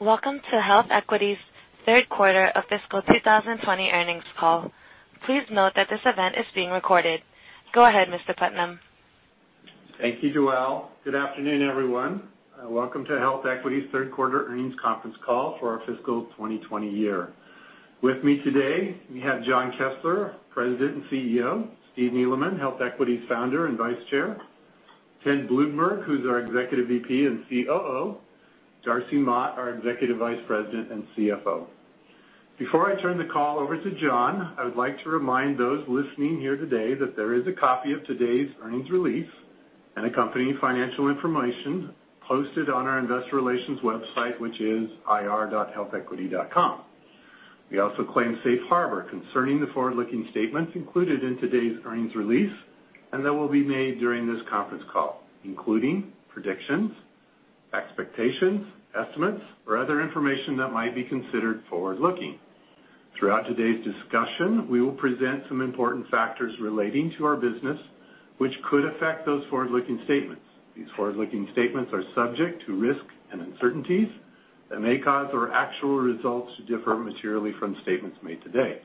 Welcome to HealthEquity's third quarter of fiscal 2020 earnings call. Please note that this event is being recorded. Go ahead, Mr. Putnam. Thank you, Joel. Good afternoon, everyone. Welcome to HealthEquity's third quarter earnings conference call for our fiscal 2020 year. With me today, we have Jon Kessler, President and CEO, Steve Neeleman, HealthEquity's Founder and Vice Chair, Ted Bloomberg, who's our Executive VP and COO, Darcy Mott, our Executive Vice President and CFO. Before I turn the call over to Jon, I would like to remind those listening here today that there is a copy of today's earnings release and accompanying financial information posted on our investor relations website, which is ir.healthequity.com. We also claim safe harbor concerning the forward-looking statements included in today's earnings release and that will be made during this conference call, including predictions, expectations, estimates, or other information that might be considered forward-looking. These forward-looking statements are subject to risks and uncertainties that may cause our actual results to differ materially from statements made today.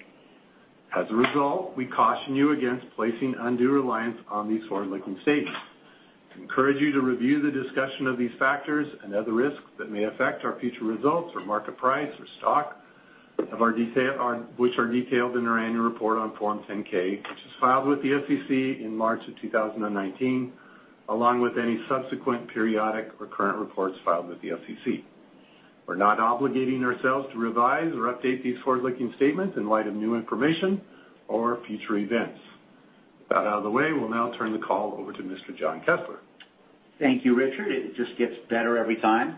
As a result, we caution you against placing undue reliance on these forward-looking statements. We encourage you to review the discussion of these factors and other risks that may affect our future results or market price or stock, which are detailed in our annual report on Form 10-K, which was filed with the SEC in March of 2019, along with any subsequent periodic or current reports filed with the SEC. We're not obligating ourselves to revise or update these forward-looking statements in light of new information or future events. With that out of the way, we'll now turn the call over to Mr. Jon Kessler. Thank you, Richard. It just gets better every time.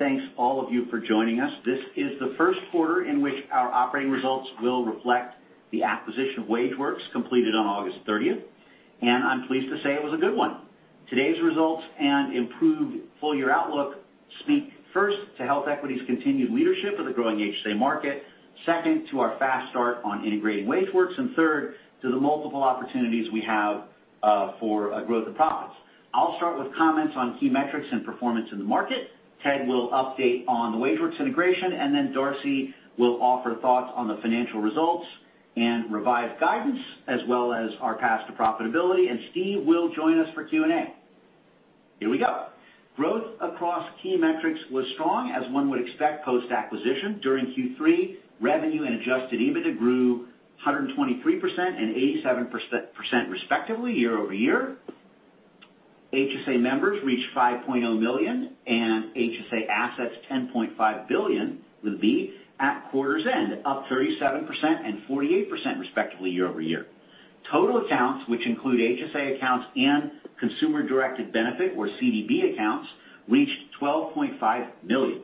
Thanks all of you for joining us. This is the first quarter in which our operating results will reflect the acquisition of WageWorks, completed on August 30th, I'm pleased to say it was a good one. Today's results and improved full-year outlook speak first to HealthEquity's continued leadership of the growing HSA market, second to our fast start on integrating WageWorks, third to the multiple opportunities we have for growth and profits. I'll start with comments on key metrics and performance in the market. Ted will update on the WageWorks integration, Darcy will offer thoughts on the financial results and revised guidance, as well as our path to profitability. Steve will join us for Q&A. Here we go. Growth across key metrics was strong, as one would expect post-acquisition. During Q3, revenue and adjusted EBITDA grew 123% and 87%, respectively, year-over-year. HSA members reached 5.0 million and HSA assets $10.5 billion at quarter's end, up 37% and 48%, respectively, year-over-year. Total accounts, which include HSA accounts and consumer-directed benefit, or CDB, accounts, reached 12.5 million.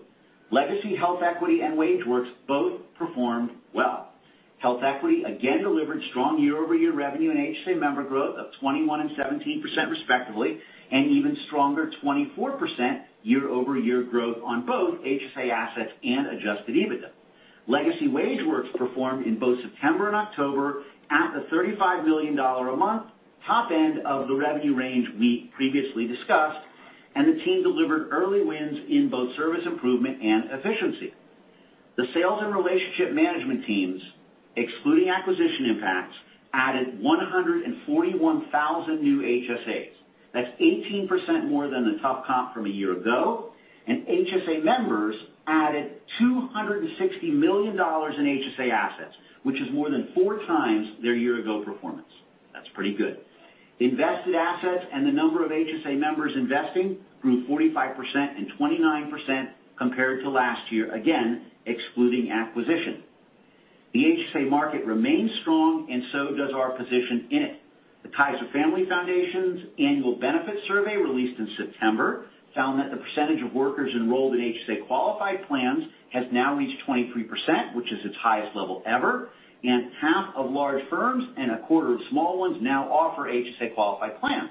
Legacy HealthEquity and WageWorks both performed well. HealthEquity again delivered strong year-over-year revenue and HSA member growth of 21% and 17%, respectively, and even stronger 24% year-over-year growth on both HSA assets and adjusted EBITDA. Legacy WageWorks performed in both September and October at the $35 million a month top end of the revenue range we previously discussed, and the team delivered early wins in both service improvement and efficiency. The sales and relationship management teams, excluding acquisition impacts, added 141,000 new HSAs. That's 18% more than the top comp from a year ago. HSA members added $260 million in HSA assets, which is more than four times their year-ago performance. That's pretty good. Invested assets and the number of HSA members investing grew 45% and 29% compared to last year, again, excluding acquisition. The HSA market remains strong, and so does our position in it. The Kaiser Family Foundation's annual benefit survey, released in September, found that the percentage of workers enrolled in HSA-qualified plans has now reached 23%, which is its highest level ever. Half of large firms and a quarter of small ones now offer HSA-qualified plans.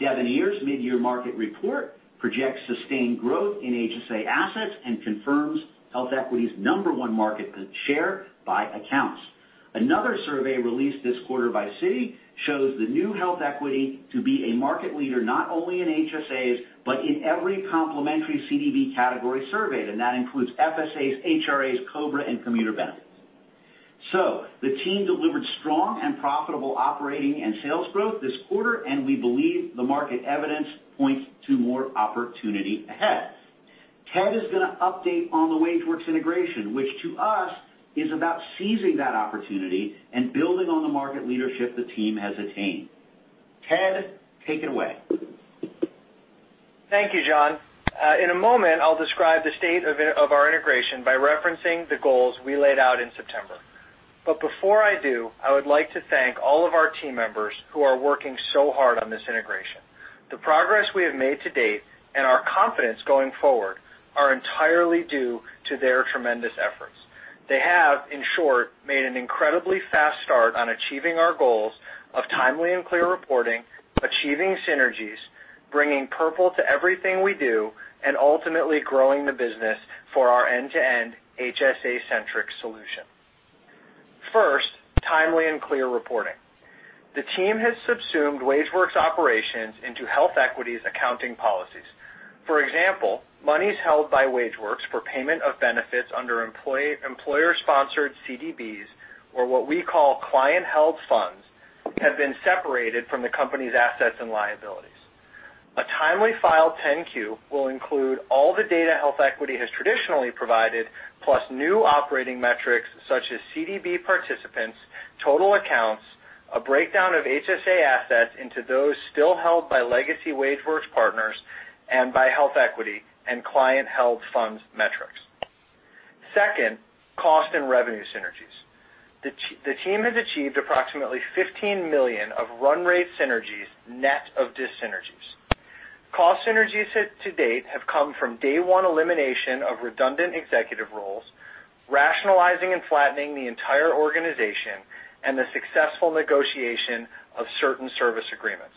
Devenir's mid-year market report projects sustained growth in HSA assets and confirms HealthEquity's number one market share by accounts. Another survey released this quarter by Citi shows the new HealthEquity to be a market leader not only in HSAs, but in every complementary CDB category surveyed, and that includes FSAs, HRAs, COBRA, and commuter benefits. The team delivered strong and profitable operating and sales growth this quarter, and we believe the market evidence points to more opportunity ahead. Ted is going to update on the WageWorks integration, which to us is about seizing that opportunity and building on the market leadership the team has attained. Ted, take it away. Thank you, Jon. In a moment, I'll describe the state of our integration by referencing the goals we laid out in September. Before I do, I would like to thank all of our team members who are working so hard on this integration. The progress we have made to date and our confidence going forward are entirely due to their tremendous efforts. They have, in short, made an incredibly fast start on achieving our goals of timely and clear reporting, achieving synergies, bringing purple to everything we do, and ultimately growing the business for our end-to-end HSA-centric solution. First, timely and clear reporting. The team has subsumed WageWorks operations into HealthEquity's accounting policies. For example, monies held by WageWorks for payment of benefits under employer-sponsored CDBs, or what we call client held funds, have been separated from the company's assets and liabilities. A timely filed 10-Q will include all the data HealthEquity has traditionally provided, plus new operating metrics such as CDB participants, total accounts, a breakdown of HSA assets into those still held by legacy WageWorks partners and by HealthEquity, and client held funds metrics. Second, cost and revenue synergies. The team has achieved approximately $15 million of run rate synergies, net of dis-synergies. Cost synergies to date have come from day one elimination of redundant executive roles, rationalizing and flattening the entire organization, and the successful negotiation of certain service agreements.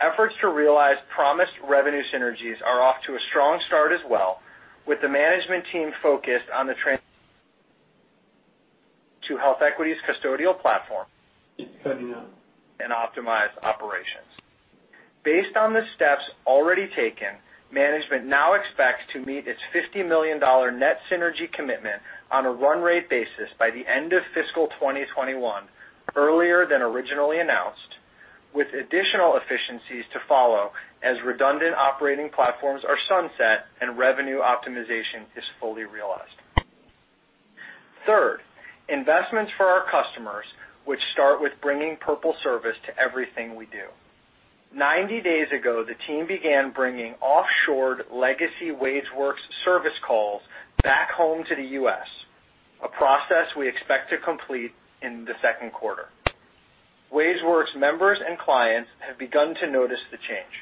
Efforts to realize promised revenue synergies are off to a strong start as well, with the management team focused on To HealthEquity's custodial platform and optimize operations. Based on the steps already taken, management now expects to meet its $50 million net synergy commitment on a run rate basis by the end of fiscal 2021, earlier than originally announced, with additional efficiencies to follow as redundant operating platforms are sunset and revenue optimization is fully realized. Third, investments for our customers, which start with bringing purple service to everything we do. 90 days ago, the team began bringing offshored legacy WageWorks service calls back home to the U.S., a process we expect to complete in the second quarter. WageWorks members and clients have begun to notice the change.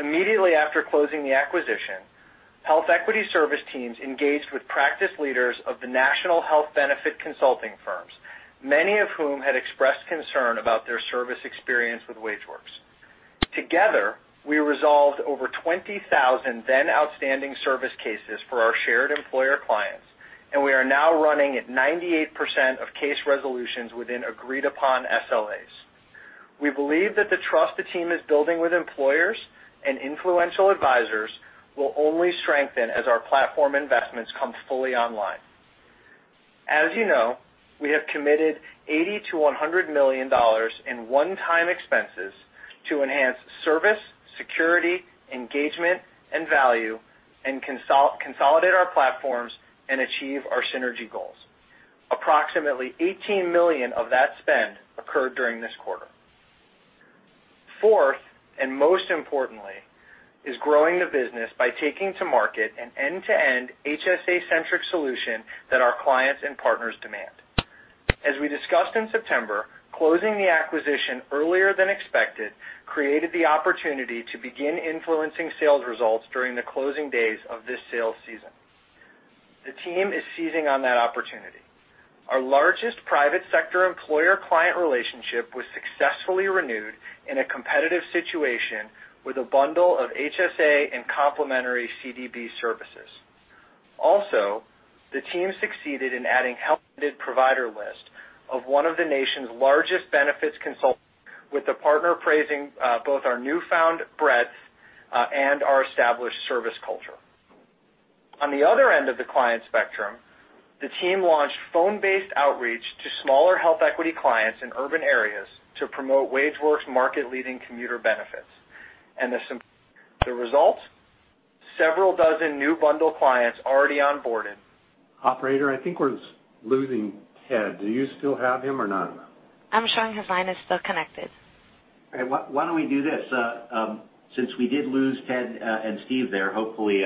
Immediately after closing the acquisition, HealthEquity service teams engaged with practice leaders of the national health benefit consulting firms, many of whom had expressed concern about their service experience with WageWorks. Together, we resolved over 20,000 then outstanding service cases for our shared employer clients. We are now running at 98% of case resolutions within agreed upon SLAs. We believe that the trust the team is building with employers and influential advisors will only strengthen as our platform investments come fully online. As you know, we have committed $80 million-$100 million in one-time expenses to enhance service, security, engagement, and value, and consolidate our platforms and achieve our synergy goals. Approximately $18 million of that spend occurred during this quarter. Fourth, most importantly, is growing the business by taking to market an end-to-end HSA centric solution that our clients and partners demand. We discussed in September, closing the acquisition earlier than expected created the opportunity to begin influencing sales results during the closing days of this sales season. The team is seizing on that opportunity. Our largest private sector employer client relationship was successfully renewed in a competitive situation with a bundle of HSA and complementary CDB services. The team succeeded in adding health provider list of one of the nation's largest benefits consultants with the partner praising both our newfound breadth and our established service culture. On the other end of the client spectrum, the team launched phone-based outreach to smaller HealthEquity clients in urban areas to promote WageWorks market leading commuter benefits. The result? Several dozen new bundle clients already onboarded. Operator, I think we're losing Ted. Do you still have him or not? I'm showing his line is still connected. All right. Why don't we do this? Since we did lose Ted and Steve there, hopefully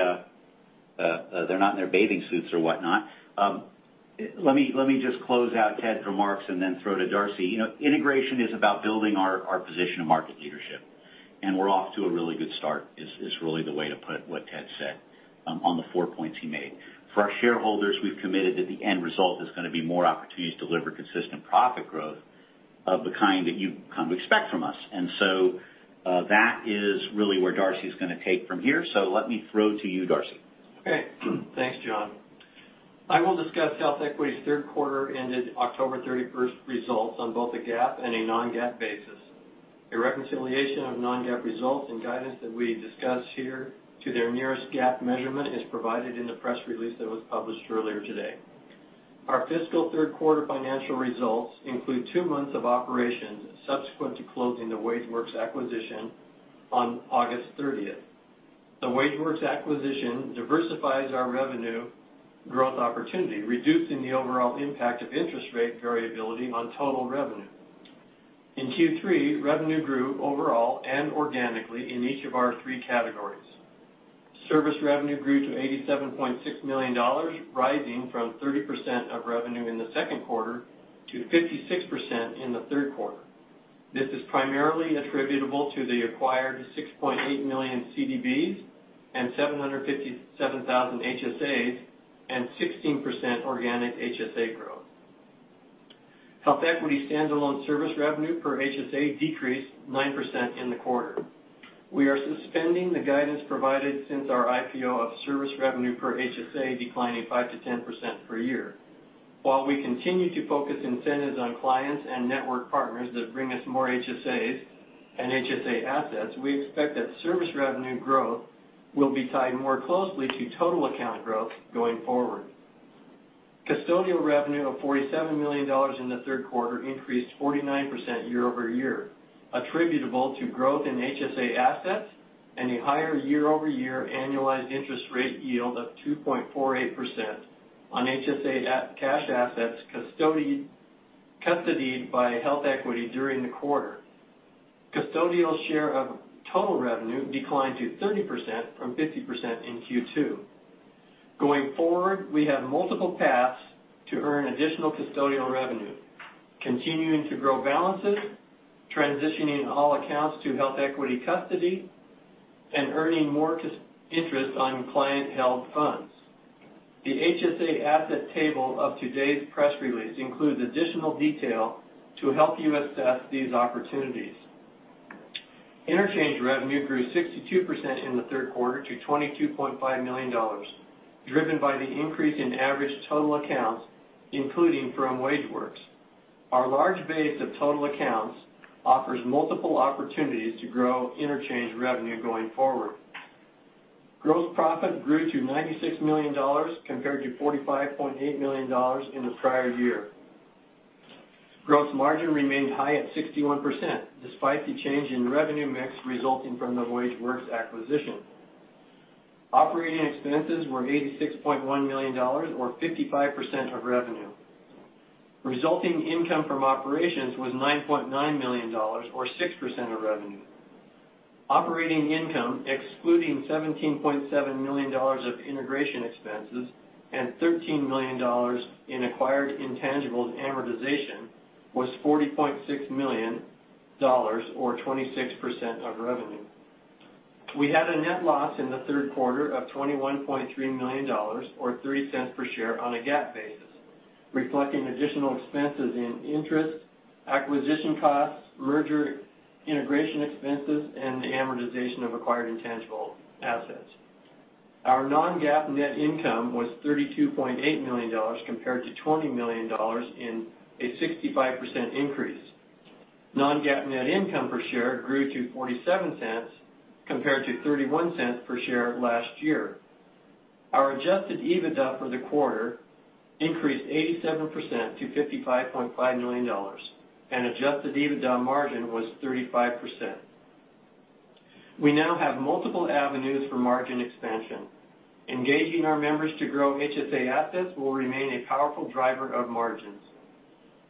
they're not in their bathing suits or whatnot. Let me just close out Ted's remarks and then throw to Darcy. Integration is about building our position of market leadership, and we're off to a really good start, is really the way to put what Ted said on the four points he made. For our shareholders, we've committed that the end result is going to be more opportunities to deliver consistent profit growth of the kind that you've come to expect from us. That is really where Darcy is going to take from here. Let me throw to you, Darcy. Okay. Thanks, Jon. I will discuss HealthEquity's third quarter ended October 31st results on both a GAAP and a non-GAAP basis. A reconciliation of non-GAAP results and guidance that we discuss here to their nearest GAAP measurement is provided in the press release that was published earlier today. Our fiscal third quarter financial results include two months of operations subsequent to closing the WageWorks acquisition on August 30th. The WageWorks acquisition diversifies our revenue growth opportunity, reducing the overall impact of interest rate variability on total revenue. In Q3, revenue grew overall and organically in each of our three categories. Service revenue grew to $87.6 million, rising from 30% of revenue in the second quarter to 56% in the third quarter. This is primarily attributable to the acquired 6.8 million CDBs and 757,000 HSAs and 16% organic HSA growth. HealthEquity standalone service revenue per HSA decreased 9% in the quarter. We are suspending the guidance provided since our IPO of service revenue per HSA declining 5%-10% per year. While we continue to focus incentives on clients and network partners that bring us more HSAs and HSA assets, we expect that service revenue growth will be tied more closely to total account growth going forward. Custodial revenue of $47 million in the third quarter increased 49% year-over-year, attributable to growth in HSA assets and a higher year-over-year annualized interest rate yield of 2.48% on HSA cash assets custodied by HealthEquity during the quarter. Custodial share of total revenue declined to 30% from 50% in Q2. Going forward, we have multiple paths to earn additional custodial revenue, continuing to grow balances, transitioning all accounts to HealthEquity custody, and earning more interest on client-held funds. The HSA asset table of today's press release includes additional detail to help you assess these opportunities. Interchange revenue grew 62% in the third quarter to $22.5 million, driven by the increase in average total accounts, including from WageWorks. Our large base of total accounts offers multiple opportunities to grow interchange revenue going forward. Gross profit grew to $96 million compared to $45.8 million in the prior year. Gross margin remained high at 61%, despite the change in revenue mix resulting from the WageWorks acquisition. Operating expenses were $86.1 million or 55% of revenue. Resulting income from operations was $9.9 million or 6% of revenue. Operating income, excluding $17.7 million of integration expenses and $13 million in acquired intangibles amortization was $40.6 million or 26% of revenue. We had a net loss in the third quarter of $21.3 million or $0.03 per share on a GAAP basis, reflecting additional expenses in interest, acquisition costs, merger integration expenses, and the amortization of acquired intangible assets. Our non-GAAP net income was $32.8 million compared to $20 million, in a 65% increase. Non-GAAP net income per share grew to $0.47 compared to $0.31 per share last year. Our adjusted EBITDA for the quarter increased 87% to $55.5 million, and adjusted EBITDA margin was 35%. We now have multiple avenues for margin expansion. Engaging our members to grow HSA assets will remain a powerful driver of margins.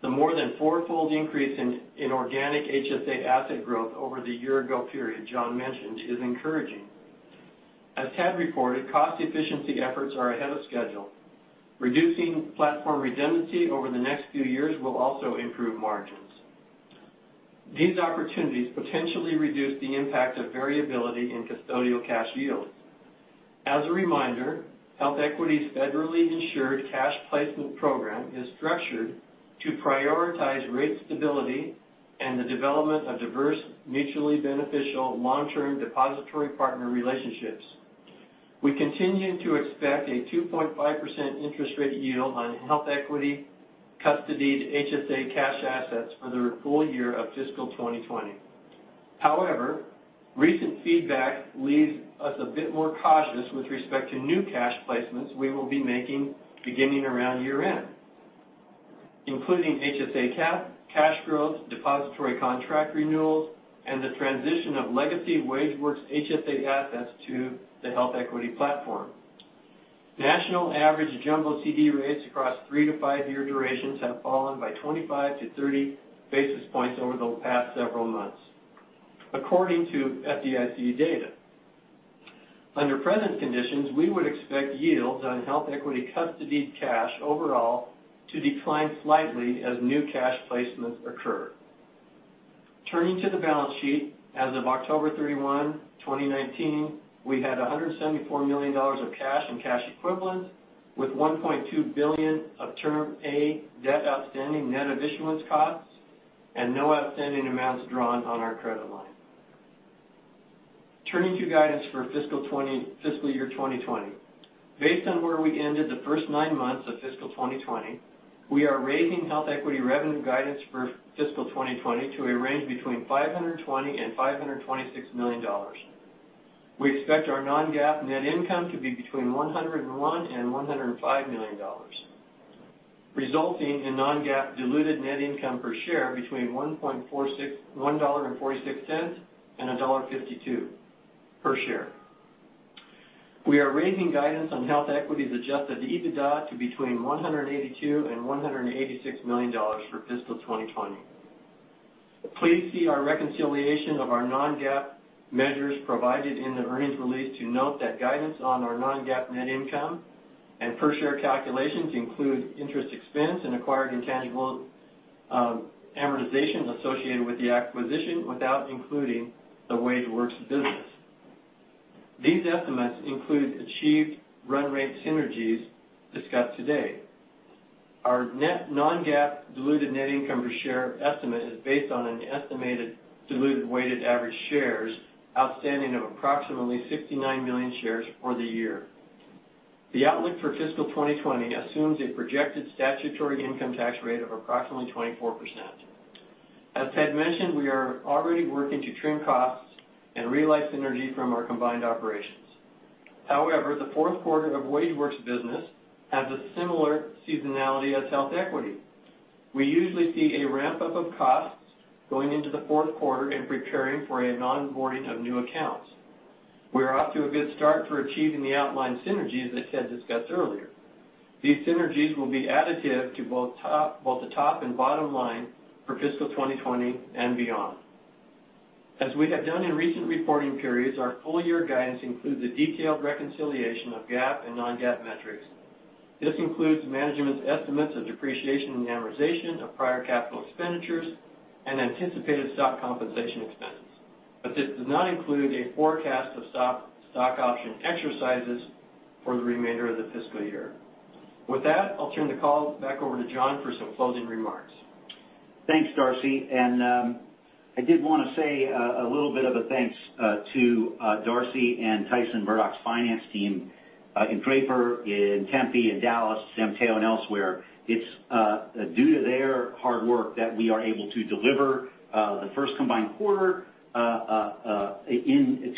The more than fourfold increase in organic HSA asset growth over the year-ago period Jon mentioned is encouraging. As Ted reported, cost efficiency efforts are ahead of schedule. Reducing platform redundancy over the next few years will also improve margins. These opportunities potentially reduce the impact of variability in custodial cash yields. As a reminder, HealthEquity's federally insured cash placement program is structured to prioritize rate stability and the development of diverse, mutually beneficial long-term depository partner relationships. We continue to expect a 2.5% interest rate yield on HealthEquity custodied HSA cash assets for the full year of FY 2020. However, recent feedback leaves us a bit more cautious with respect to new cash placements we will be making beginning around year end, including HSA cash growth, depository contract renewals, and the transition of legacy WageWorks HSA assets to the HealthEquity platform. National average jumbo CD rates across 3- to 5-year durations have fallen by 25 to 30 basis points over the past several months, according to FDIC data. Under present conditions, we would expect yields on HealthEquity custodied cash overall to decline slightly as new cash placements occur. Turning to the balance sheet. As of October 31, 2019, we had $174 million of cash and cash equivalents with $1.2 billion of Term A debt outstanding net of issuance costs, and no outstanding amounts drawn on our credit line. Turning to guidance for fiscal year 2020. Based on where we ended the first nine months of fiscal 2020, we are raising HealthEquity revenue guidance for fiscal 2020 to a range between $520 and $526 million. We expect our non-GAAP net income to be between $101 and $105 million, resulting in non-GAAP diluted net income per share between $1.46 and $1.52 per share. We are raising guidance on HealthEquity's adjusted EBITDA to between $182 and $186 million for fiscal 2020. Please see our reconciliation of our non-GAAP measures provided in the earnings release to note that guidance on our non-GAAP net income and per share calculations include interest expense and acquired intangible amortization associated with the acquisition without including the WageWorks business. These estimates include achieved run rate synergies discussed today. Our net non-GAAP diluted net income per share estimate is based on an estimated diluted weighted average shares outstanding of approximately 69 million shares for the year. The outlook for fiscal 2020 assumes a projected statutory income tax rate of approximately 24%. As Ted mentioned, we are already working to trim costs and realize synergy from our combined operations. However, the fourth quarter of WageWorks business has a similar seasonality as HealthEquity. We usually see a ramp-up of costs going into the fourth quarter in preparing for an onboarding of new accounts. We're off to a good start for achieving the outlined synergies that Ted discussed earlier. These synergies will be additive to both the top and bottom line for fiscal 2020 and beyond. As we have done in recent reporting periods, our full-year guidance includes a detailed reconciliation of GAAP and non-GAAP metrics. This includes management's estimates of depreciation and amortization of prior capital expenditures and anticipated stock compensation expense. This does not include a forecast of stock option exercises for the remainder of the fiscal year. With that, I'll turn the call back over to Jon for some closing remarks. Thanks, Darcy. I did want to say a little bit of a thanks to Darcy and Tyson Murdock's finance team in Draper, in Tempe, in Dallas, San Mateo, and elsewhere. It's due to their hard work that we are able to deliver the first combined quarter to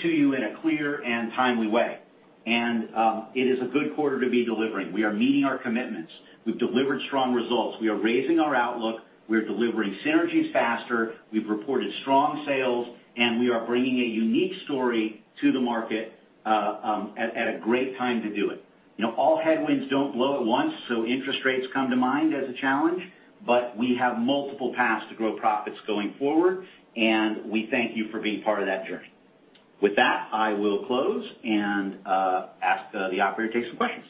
you in a clear and timely way. It is a good quarter to be delivering. We are meeting our commitments. We've delivered strong results. We are raising our outlook. We're delivering synergies faster. We've reported strong sales, and we are bringing a unique story to the market at a great time to do it. All headwinds don't blow at once, so interest rates come to mind as a challenge, but we have multiple paths to grow profits going forward, and we thank you for being part of that journey. With that, I will close and ask the operator to take some questions.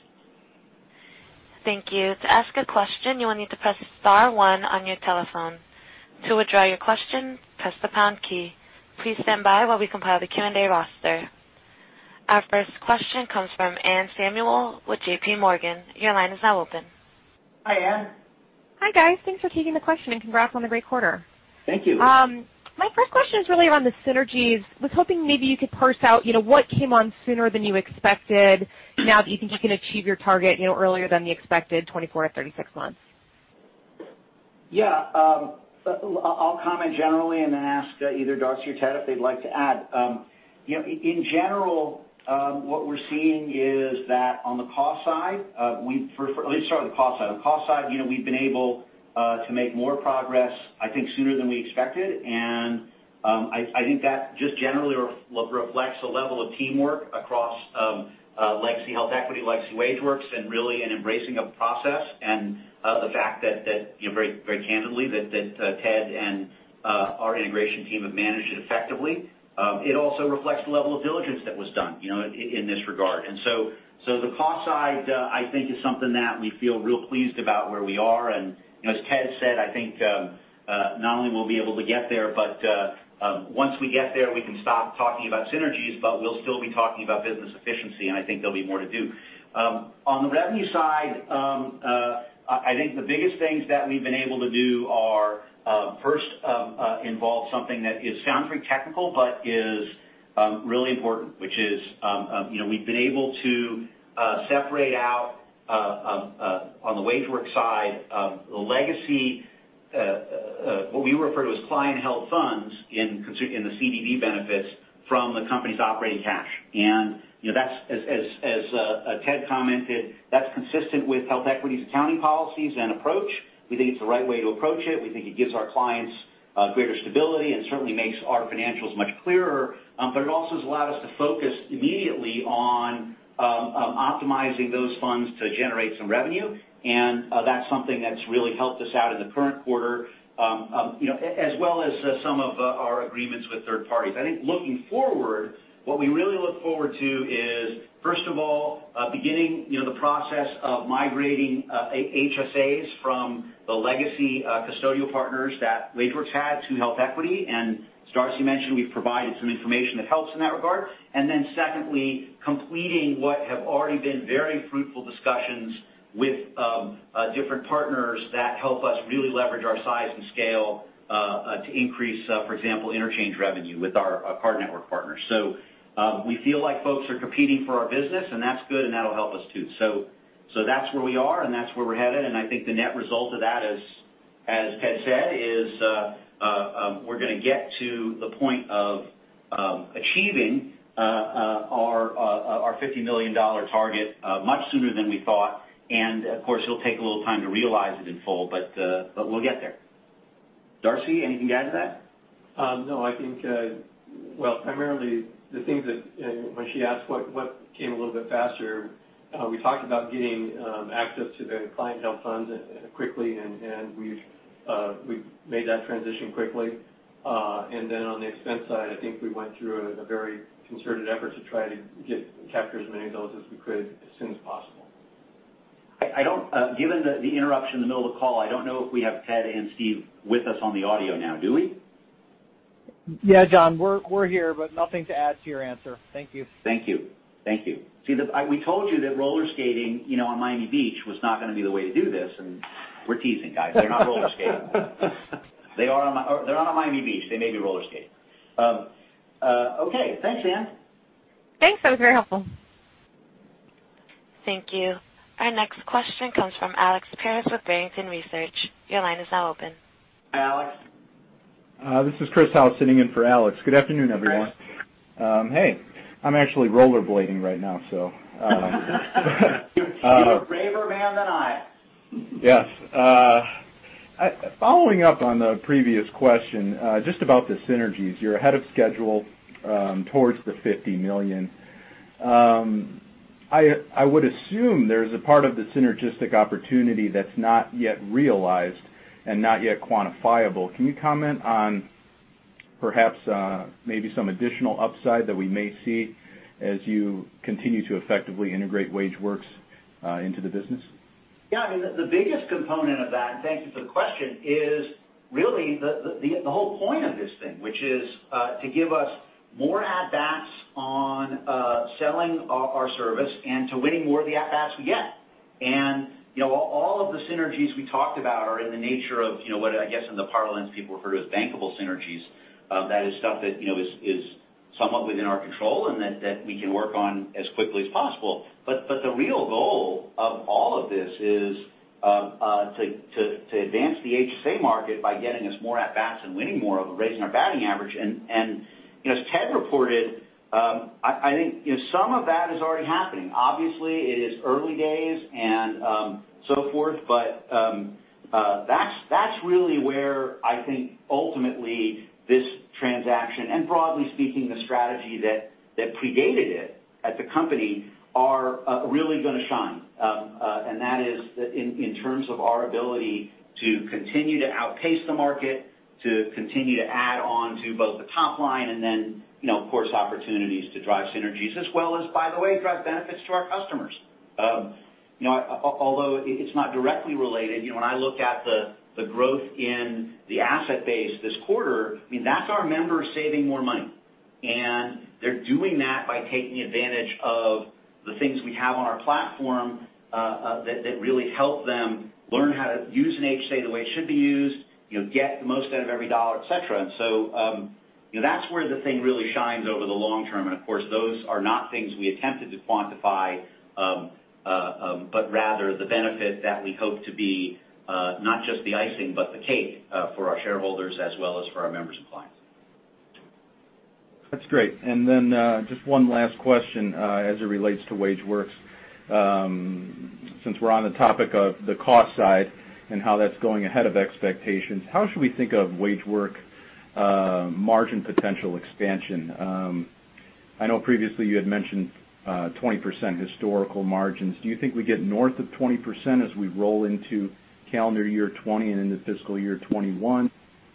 Thank you. To ask a question, you will need to press star one on your telephone. To withdraw your question, press the pound key. Please stand by while we compile the Q&A roster. Our first question comes from Anne Samuel with JP Morgan. Your line is now open. Hi, Anne. Hi, guys. Thanks for taking the question, and congrats on the great quarter. Thank you. My first question is really around the synergies. I was hoping maybe you could parse out what came on sooner than you expected now that you think you can achieve your target earlier than the expected 24-36 months. Yeah. I'll comment generally, and then ask either Darcy or Ted if they'd like to add. In general, what we're seeing is that on the cost side, we've been able to make more progress, I think, sooner than we expected, and I think that just generally reflects the level of teamwork across legacy HealthEquity, legacy WageWorks, and really an embracing of process and the fact that very candidly that Ted and our integration team have managed it effectively. It also reflects the level of diligence that was done in this regard. So the cost side, I think, is something that we feel real pleased about where we are. As Ted said, I think not only we'll be able to get there, but once we get there, we can stop talking about synergies, but we'll still be talking about business efficiency, and I think there'll be more to do. On the revenue side, I think the biggest things that we've been able to do are first involve something that sounds very technical but is really important, which is we've been able to separate out, on the WageWorks side, legacy, what we refer to as client held funds in the CDB benefits from the company's operating cash. As Ted commented, that's consistent with HealthEquity's accounting policies and approach. We think it's the right way to approach it. We think it gives our clients greater stability and certainly makes our financials much clearer. It also has allowed us to focus immediately on optimizing those funds to generate some revenue, that's something that's really helped us out in the current quarter as well as some of our agreements with third parties. I think looking forward, what we really look forward to is, first of all, beginning the process of migrating HSAs from the legacy custodial partners that WageWorks had to HealthEquity. As Darcy mentioned, we've provided some information that helps in that regard. Then secondly, completing what have already been very fruitful discussions with different partners that help us really leverage our size and scale to increase, for example, interchange revenue with our card network partners. We feel like folks are competing for our business, and that's good. That'll help us too. That's where we are, and that's where we're headed, and I think the net result of that, as Ted said, is we're going to get to the point of achieving our $50 million target much sooner than we thought. Of course, it'll take a little time to realize it in full, but we'll get there. Darcy, anything to add to that? No. I think, well, primarily the things that when she asked what came a little bit faster, we talked about getting access to the client held funds quickly, and we've made that transition quickly. Then on the expense side, I think we went through a very concerted effort to try to capture as many of those as we could as soon as possible. Given the interruption in the middle of the call, I don't know if we have Ted and Steve with us on the audio now. Do we? Yeah, John, we're here. Nothing to add to your answer. Thank you. Thank you. See, we told you that roller skating on Miami Beach was not going to be the way to do this. We're teasing, guys. They're not roller skating. They're not on Miami Beach. They may be roller skating. Okay. Thanks, Anne. Thanks. That was very helpful. Thank you. Our next question comes from Alex Paris with Barrington Research. Your line is now open. Alex? This is Chris Howe sitting in for Alex. Good afternoon, everyone. Chris. Hey. I'm actually rollerblading right now. You're a braver man than I. Yes. Following up on the previous question, just about the synergies. You're ahead of schedule towards the $50 million. I would assume there's a part of the synergistic opportunity that's not yet realized and not yet quantifiable. Can you comment on perhaps maybe some additional upside that we may see as you continue to effectively integrate WageWorks into the business? Yeah. The biggest component of that, thank you for the question, is really the whole point of this thing, which is to give us more at-bats on selling our service and to winning more of the at-bats we get. All of the synergies we talked about are in the nature of what I guess in the parlance people have heard of as bankable synergies. That is stuff that is somewhat within our control and that we can work on as quickly as possible. The real goal of all of this is to advance the HSA market by getting us more at-bats and winning more of them, raising our batting average. As Ted reported, I think some of that is already happening. Obviously, it is early days and so forth, that's really where I think ultimately this transaction, and broadly speaking, the strategy that predated it at the company, are really going to shine. That is in terms of our ability to continue to outpace the market, to continue to add on to both the top line and then, of course, opportunities to drive synergies as well as, by the way, drive benefits to our customers. Although it's not directly related, when I look at the growth in the asset base this quarter, that's our members saving more money. They're doing that by taking advantage of the things we have on our platform that really help them learn how to use an HSA the way it should be used, get the most out of every dollar, et cetera. That's where the thing really shines over the long term. Of course, those are not things we attempted to quantify, but rather the benefit that we hope to be, not just the icing, but the cake for our shareholders as well as for our members and clients. That's great. Just one last question as it relates to WageWorks. Since we're on the topic of the cost side and how that's going ahead of expectations, how should we think of WageWorks margin potential expansion? I know previously you had mentioned 20% historical margins. Do you think we get north of 20% as we roll into calendar year 2020 and into fiscal year 2021?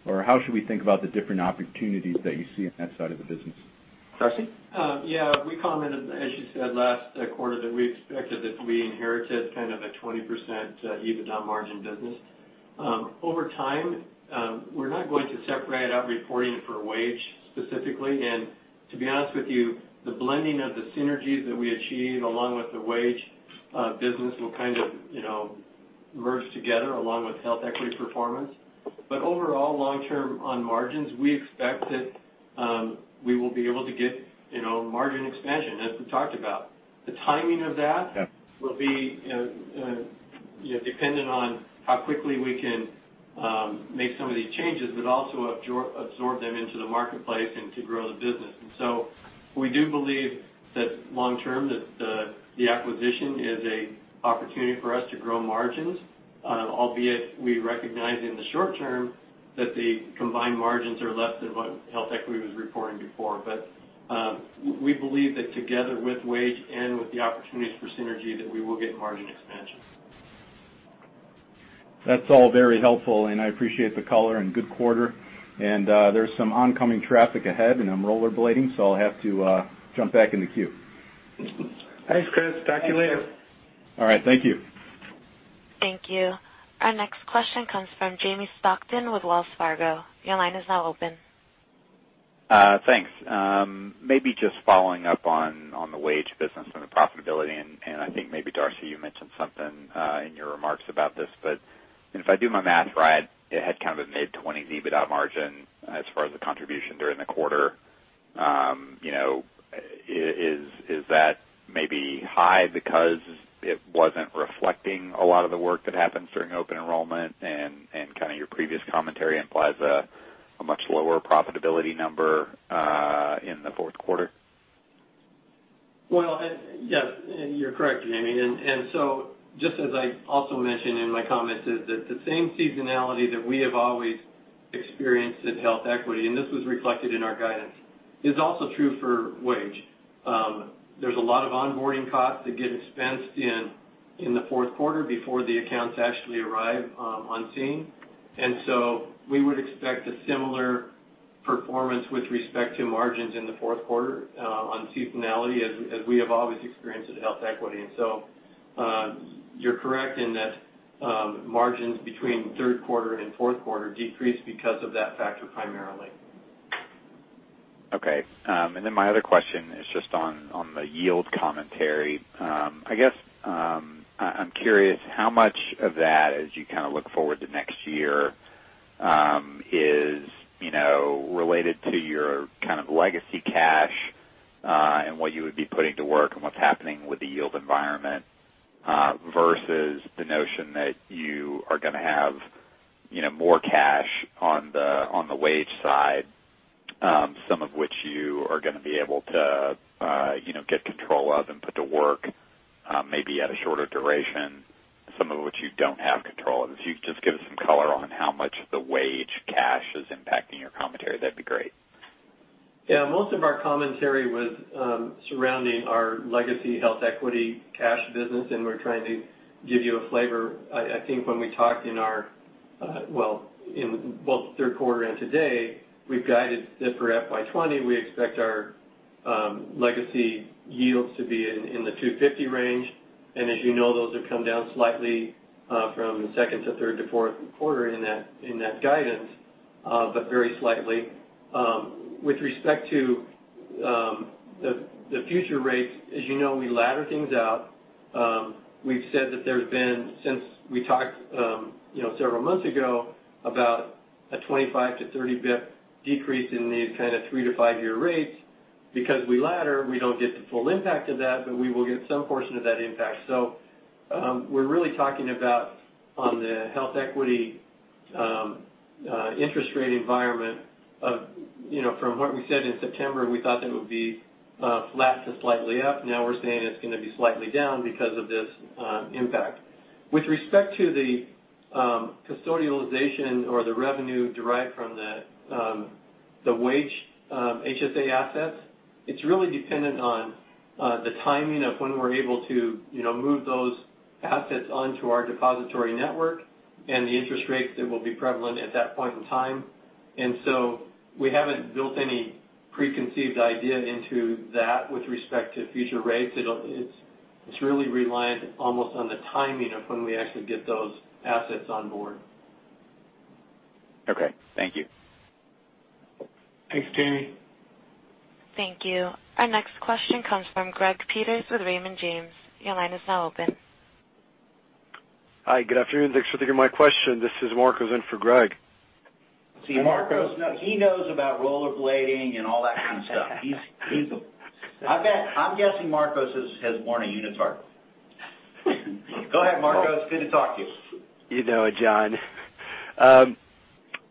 How should we think about the different opportunities that you see on that side of the business? Darcy? Yeah. We commented, as you said, last quarter, that we expected that we inherited kind of a 20% EBITDA margin business. Over time, we're not going to separate out reporting for Wage specifically. To be honest with you, the blending of the synergies that we achieve, along with the Wage business, will kind of merge together along with HealthEquity performance. Overall, long-term on margins, we expect that we will be able to get margin expansion, as we talked about. The timing of that Yeah will be dependent on how quickly we can make some of these changes, but also absorb them into the marketplace and to grow the business. We do believe that long-term, that the acquisition is an opportunity for us to grow margins, albeit we recognize in the short term that the combined margins are less than what HealthEquity was reporting before. We believe that together with Wage and with the opportunities for synergy, that we will get margin expansion. That's all very helpful, I appreciate the color, good quarter. There's some oncoming traffic ahead, I'm rollerblading, I'll have to jump back in the queue. Thanks, Chris. Talk to you later. Thanks. All right. Thank you. Thank you. Our next question comes from Jamie Stockton with Wells Fargo. Your line is now open. Thanks. Maybe just following up on the Wage business and the profitability, and I think maybe Darcy, you mentioned something in your remarks about this. If I do my math right, it had kind of a mid-20s EBITDA margin as far as the contribution during the quarter. Is that maybe high because it wasn't reflecting a lot of the work that happens during open enrollment, and kind of your previous commentary implies a much lower profitability number in the fourth quarter? Well, yes, you're correct, Jamie. Just as I also mentioned in my comments, is that the same seasonality that we have always experienced at HealthEquity, and this was reflected in our guidance, is also true for Wage. There's a lot of onboarding costs that get expensed in the fourth quarter before the accounts actually arrive on team. We would expect a similar performance with respect to margins in the fourth quarter on seasonality, as we have always experienced at HealthEquity. You're correct in that margins between third quarter and fourth quarter decreased because of that factor, primarily. Okay. My other question is just on the yield commentary. I guess, I'm curious how much of that, as you kind of look forward to next year, is related to your kind of legacy cash, and what you would be putting to work and what's happening with the yield environment, versus the notion that you are going to have more cash on the Wage side, some of which you are going to be able to get control of and put to work, maybe at a shorter duration, some of which you don't have control of. If you could just give some color on how much the Wage cash is impacting your commentary, that'd be great. Yeah. Most of our commentary was surrounding our legacy HealthEquity cash business, we're trying to give you a flavor. I think when we talked in both third quarter and today, we've guided ZIFER F by 2020. We expect our legacy yields to be in the 250 range. As you know, those have come down slightly from second to third to fourth quarter in that guidance, but very slightly. With respect to the future rates, as you know, we ladder things out. We've said that there's been, since we talked several months ago, about a 25 to 30 bip decrease in the kind of three- to five-year rates. We ladder, we don't get the full impact of that, but we will get some portion of that impact. We're really talking about on the HealthEquity interest rate environment of, from what we said in September, we thought that it would be flat to slightly up. Now we're saying it's going to be slightly down because of this impact. With respect to the custodialization or the revenue derived from the Wage HSA assets, it's really dependent on the timing of when we're able to move those assets onto our depository network and the interest rates that will be prevalent at that point in time. We haven't built any preconceived idea into that with respect to future rates. It's really reliant almost on the timing of when we actually get those assets on board. Okay. Thank you. Thanks, Jamie. Thank you. Our next question comes from Greg Peters with Raymond James. Your line is now open. Hi. Good afternoon. Thanks for taking my question. This is Marcos in for Greg. Marcos, he knows about rollerblading and all that kind of stuff. I'm guessing Marcos has worn a unitard. Go ahead, Marcos. Good to talk to you. You know it, Jon.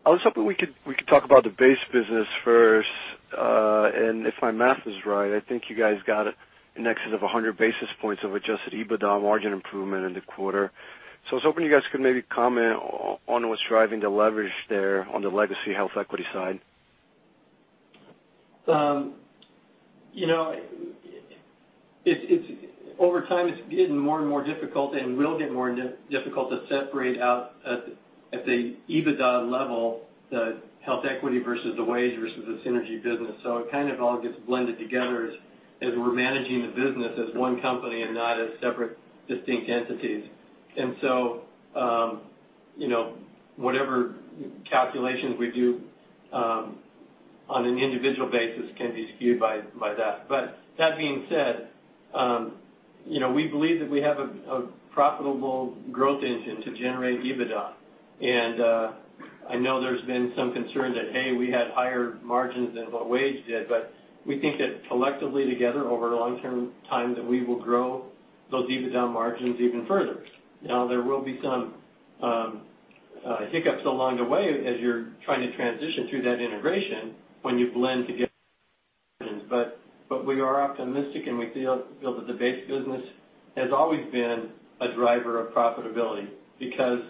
I was hoping we could talk about the base business first. If my math is right, I think you guys got an excess of 100 basis points of adjusted EBITDA margin improvement in the quarter. I was hoping you guys could maybe comment on what's driving the leverage there on the legacy HealthEquity side. Over time, it's getting more and more difficult, and will get more difficult to separate out at the EBITDA level, the HealthEquity versus the wage versus the synergy business. It kind of all gets blended together as we're managing the business as one company and not as separate, distinct entities. Whatever calculations we do on an individual basis can be skewed by that. That being said, we believe that we have a profitable growth engine to generate EBITDA. I know there's been some concern that, hey, we had higher margins than what wage did, we think that collectively together over long-term time, that we will grow those EBITDA margins even further. There will be some hiccups along the way as you're trying to transition through that integration when you blend together. We are optimistic, and we feel that the base business has always been a driver of profitability because,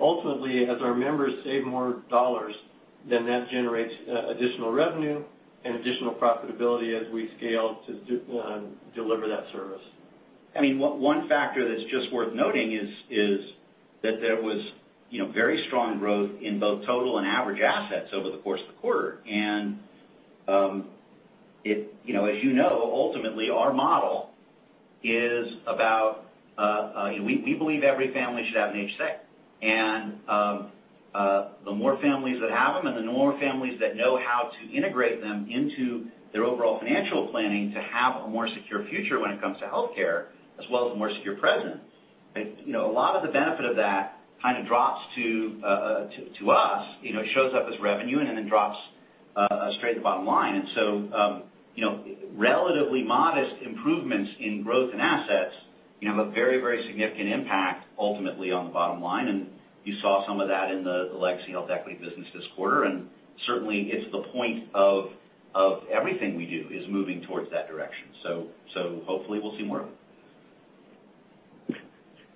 ultimately, as our members save more dollars, then that generates additional revenue and additional profitability as we scale to deliver that service. One factor that's just worth noting is that there was very strong growth in both total and average assets over the course of the quarter. As you know, ultimately, our model is about, we believe every family should have an HSA. The more families that have them, and the more families that know how to integrate them into their overall financial planning to have a more secure future when it comes to healthcare, as well as a more secure present. A lot of the benefit of that kind of drops to us. It shows up as revenue and then it drops straight to the bottom line. Relatively modest improvements in growth and assets can have a very, very significant impact ultimately on the bottom line, and you saw some of that in the legacy HealthEquity business this quarter. Certainly, it's the point of everything we do, is moving towards that direction. Hopefully we'll see more of it.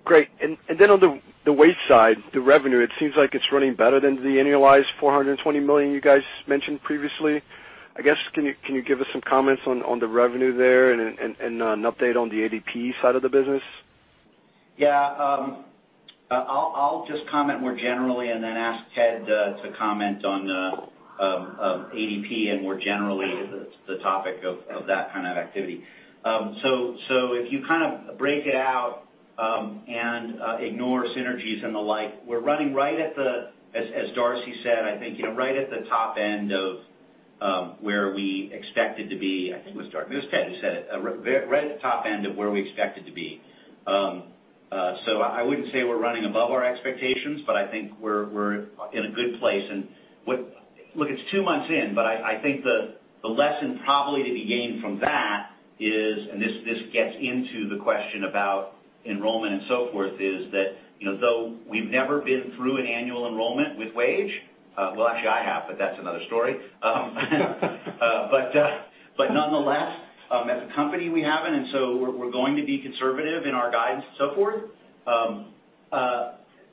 Great. On the wage side, the revenue, it seems like it's running better than the annualized $420 million you guys mentioned previously. I guess, can you give us some comments on the revenue there and an update on the ADP side of the business? Yeah. I'll just comment more generally and then ask Ted to comment on ADP and more generally, the topic of that kind of activity. If you break it out and ignore synergies and the like, we're running right at the, as Darcy said, I think right at the top end of where we expected to be. I think it was Darcy. It was Ted who said it. Right at the top end of where we expected to be. I wouldn't say we're running above our expectations, but I think we're in a good place. Look, it's two months in, but I think the lesson probably to be gained from that is, this gets into the question about enrollment and so forth, is that though we've never been through an annual enrollment with Wage, well, actually I have, but that's another story. Nonetheless, as a company, we haven't, we're going to be conservative in our guidance and so forth.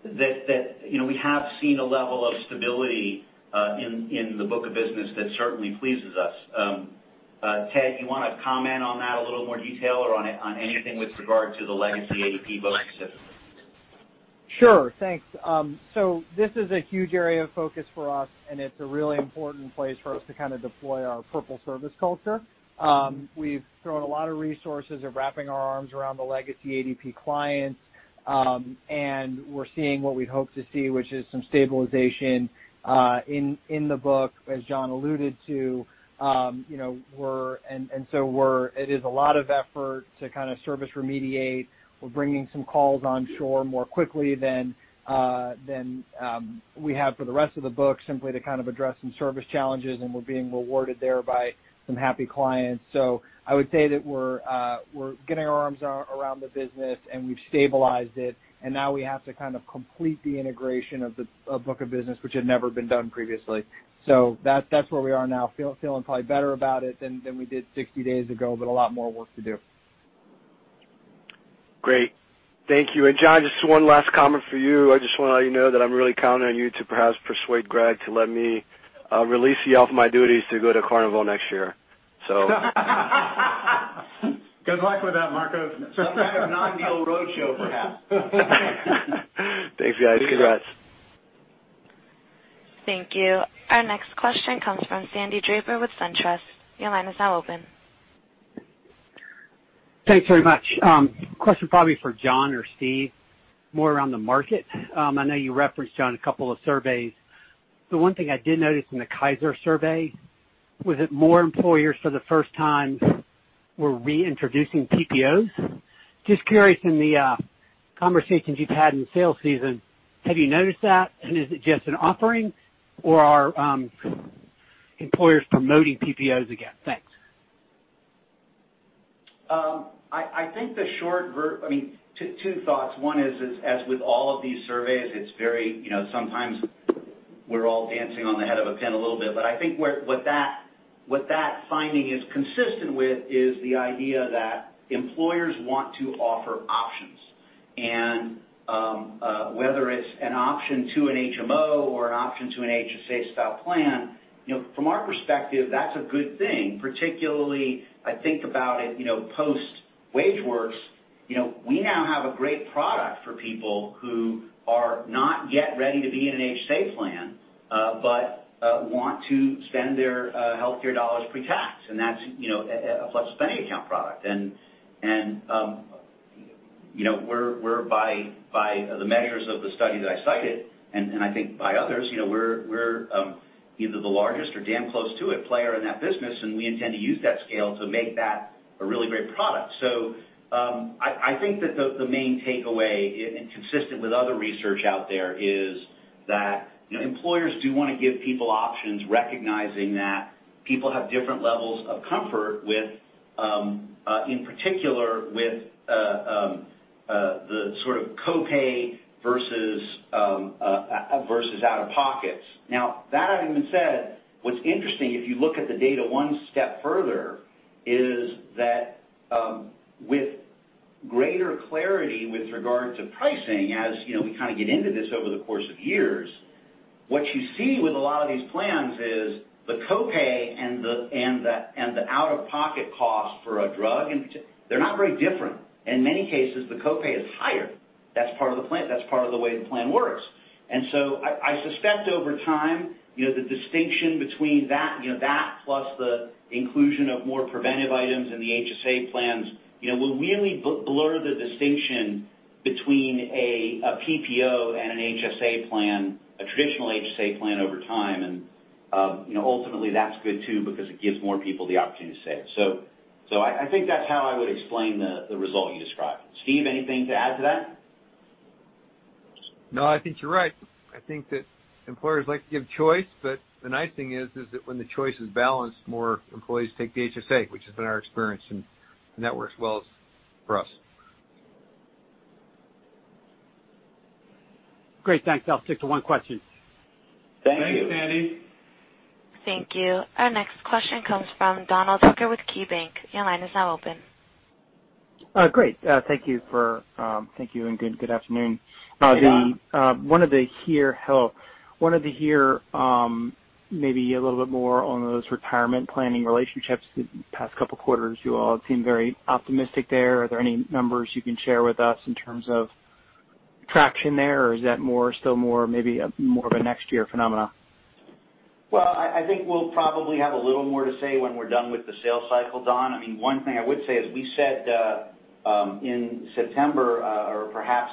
That we have seen a level of stability in the book of business that certainly pleases us. Ted, you want to comment on that in a little more detail or on anything with regard to the legacy ADP book of business? Thanks. This is a huge area of focus for us, and it's a really important place for us to deploy our purple service culture. We've thrown a lot of resources of wrapping our arms around the legacy ADP clients, and we're seeing what we'd hoped to see, which is some stabilization in the book, as Jon alluded to. It is a lot of effort to service remediate. We're bringing some calls onshore more quickly than we have for the rest of the book, simply to address some service challenges, and we're being rewarded there by some happy clients. I would say that we're getting our arms around the business, and we've stabilized it, and now we have to complete the integration of book of business, which had never been done previously. That's where we are now. Feeling probably better about it than we did 60 days ago, a lot more work to do. Great. Thank you. Jon, just one last comment for you. I just want to let you know that I'm really counting on you to perhaps persuade Greg to let me release you off my duties to go to Carnival next year. Good luck with that, Marco. Some type of non-deal roadshow, perhaps. Thanks, guys. Congrats. Thank you. Our next question comes from Sandy Draper with SunTrust. Your line is now open. Thanks very much. Question probably for Jon or Steve, more around the market. I know you referenced, Jon, a couple of surveys. The one thing I did notice in the Kaiser survey was that more employers for the first time were reintroducing PPOs. Just curious, in the conversations you've had in sales season, have you noticed that? Is it just an offering or are employers promoting PPOs again? Thanks. Two thoughts. One is, as with all of these surveys, sometimes we're all dancing on the head of a pin a little bit. I think what that finding is consistent with is the idea that employers want to offer options. Whether it's an option to an HMO or an option to an HSA-style plan, from our perspective, that's a good thing. Particularly, I think about it, post-WageWorks, we now have a great product for people who are not yet ready to be in an HSA plan, but want to spend their healthcare dollars pre-tax, and that's a flexible spending account product. We're, by the measures of the study that I cited, and I think by others, we're either the largest or damn close to it player in that business. We intend to use that scale to make that a really great product. I think that the main takeaway, and consistent with other research out there, is that employers do want to give people options, recognizing that people have different levels of comfort with, in particular, with the sort of copay versus out-of-pockets. That having been said, what's interesting, if you look at the data one step further, is that with greater clarity with regard to pricing, as we kind of get into this over the course of years, what you see with a lot of these plans is the copay and the out-of-pocket cost for a drug, they're not very different. In many cases, the copay is higher. That's part of the way the plan works. I suspect over time, the distinction between that plus the inclusion of more preventive items in the HSA plans will really blur the distinction between a PPO and an HSA plan, a traditional HSA plan over time. Ultimately, that's good too, because it gives more people the opportunity to save. I think that's how I would explain the result you described. Steve, anything to add to that? No, I think you're right. I think that employers like to give choice. The nice thing is that when the choice is balanced, more employees take the HSA, which has been our experience in networks, as well as for us. Great. Thanks. I'll stick to one question. Thank you. Thanks, Sandy. Thank you. Our next question comes from Donald Hooker with KeyBanc. Your line is now open. Great. Thank you, good afternoon. Hey, Don. Wanted to hear maybe a little bit more on those retirement planning relationships. The past couple of quarters, you all seem very optimistic there. Are there any numbers you can share with us in terms of traction there, or is that still more of a next year phenomena? Well, I think we'll probably have a little more to say when we're done with the sales cycle, Don. One thing I would say is we said in September, or perhaps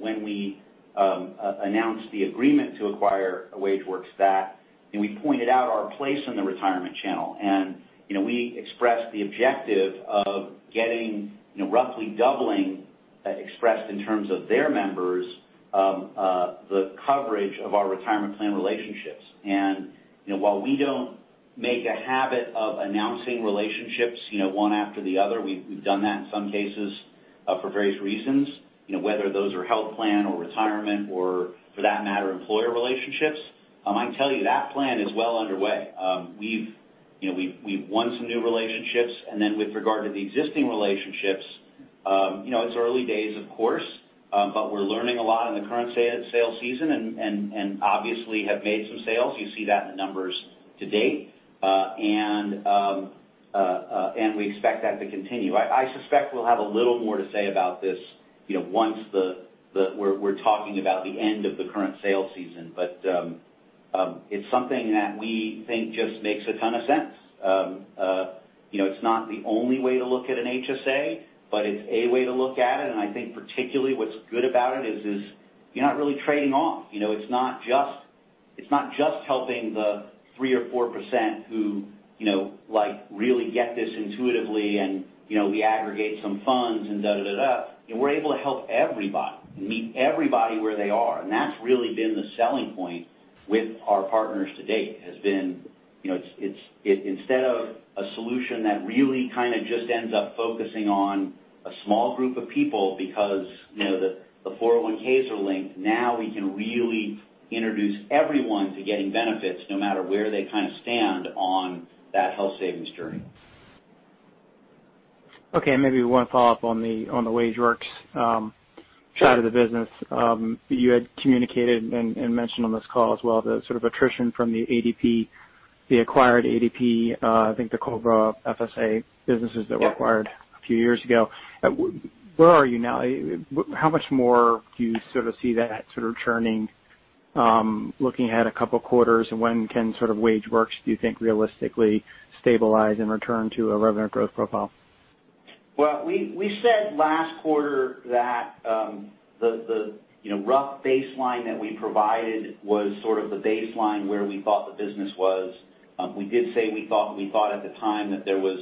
when we announced the agreement to acquire WageWorks, that we pointed out our place in the retirement channel. We expressed the objective of roughly doubling, expressed in terms of their members, the coverage of our retirement plan relationships. While we don't make a habit of announcing relationships one after the other, we've done that in some cases for various reasons, whether those are health plan or retirement or for that matter, employer relationships. I can tell you that plan is well underway. We've won some new relationships, then with regard to the existing relationships, it's early days, of course, but we're learning a lot in the current sales season and obviously have made some sales. You see that in the numbers to date. We expect that to continue. I suspect we'll have a little more to say about this once we're talking about the end of the current sales season. It's something that we think just makes a ton of sense. It's not the only way to look at an HSA, but it's a way to look at it. I think particularly what's good about it is you're not really trading off. It's not just helping the 3% or 4% who really get this intuitively and we aggregate some funds and da da da da. We're able to help everybody, meet everybody where they are, and that's really been the selling point with our partners to date. Instead of a solution that really just ends up focusing on a small group of people because the 401(k)s are linked, now we can really introduce everyone to getting benefits no matter where they stand on that health savings journey. Okay, maybe one follow-up on the WageWorks side of the business. You had communicated and mentioned on this call as well, the sort of attrition from the acquired ADP, I think the COBRA FSAs businesses that were acquired a few years ago. Where are you now? How much more do you see that churning, looking at a couple of quarters? When can WageWorks, do you think, realistically stabilize and return to a revenue growth profile? Well, we said last quarter that the rough baseline that we provided was sort of the baseline where we thought the business was. We did say we thought at the time that there was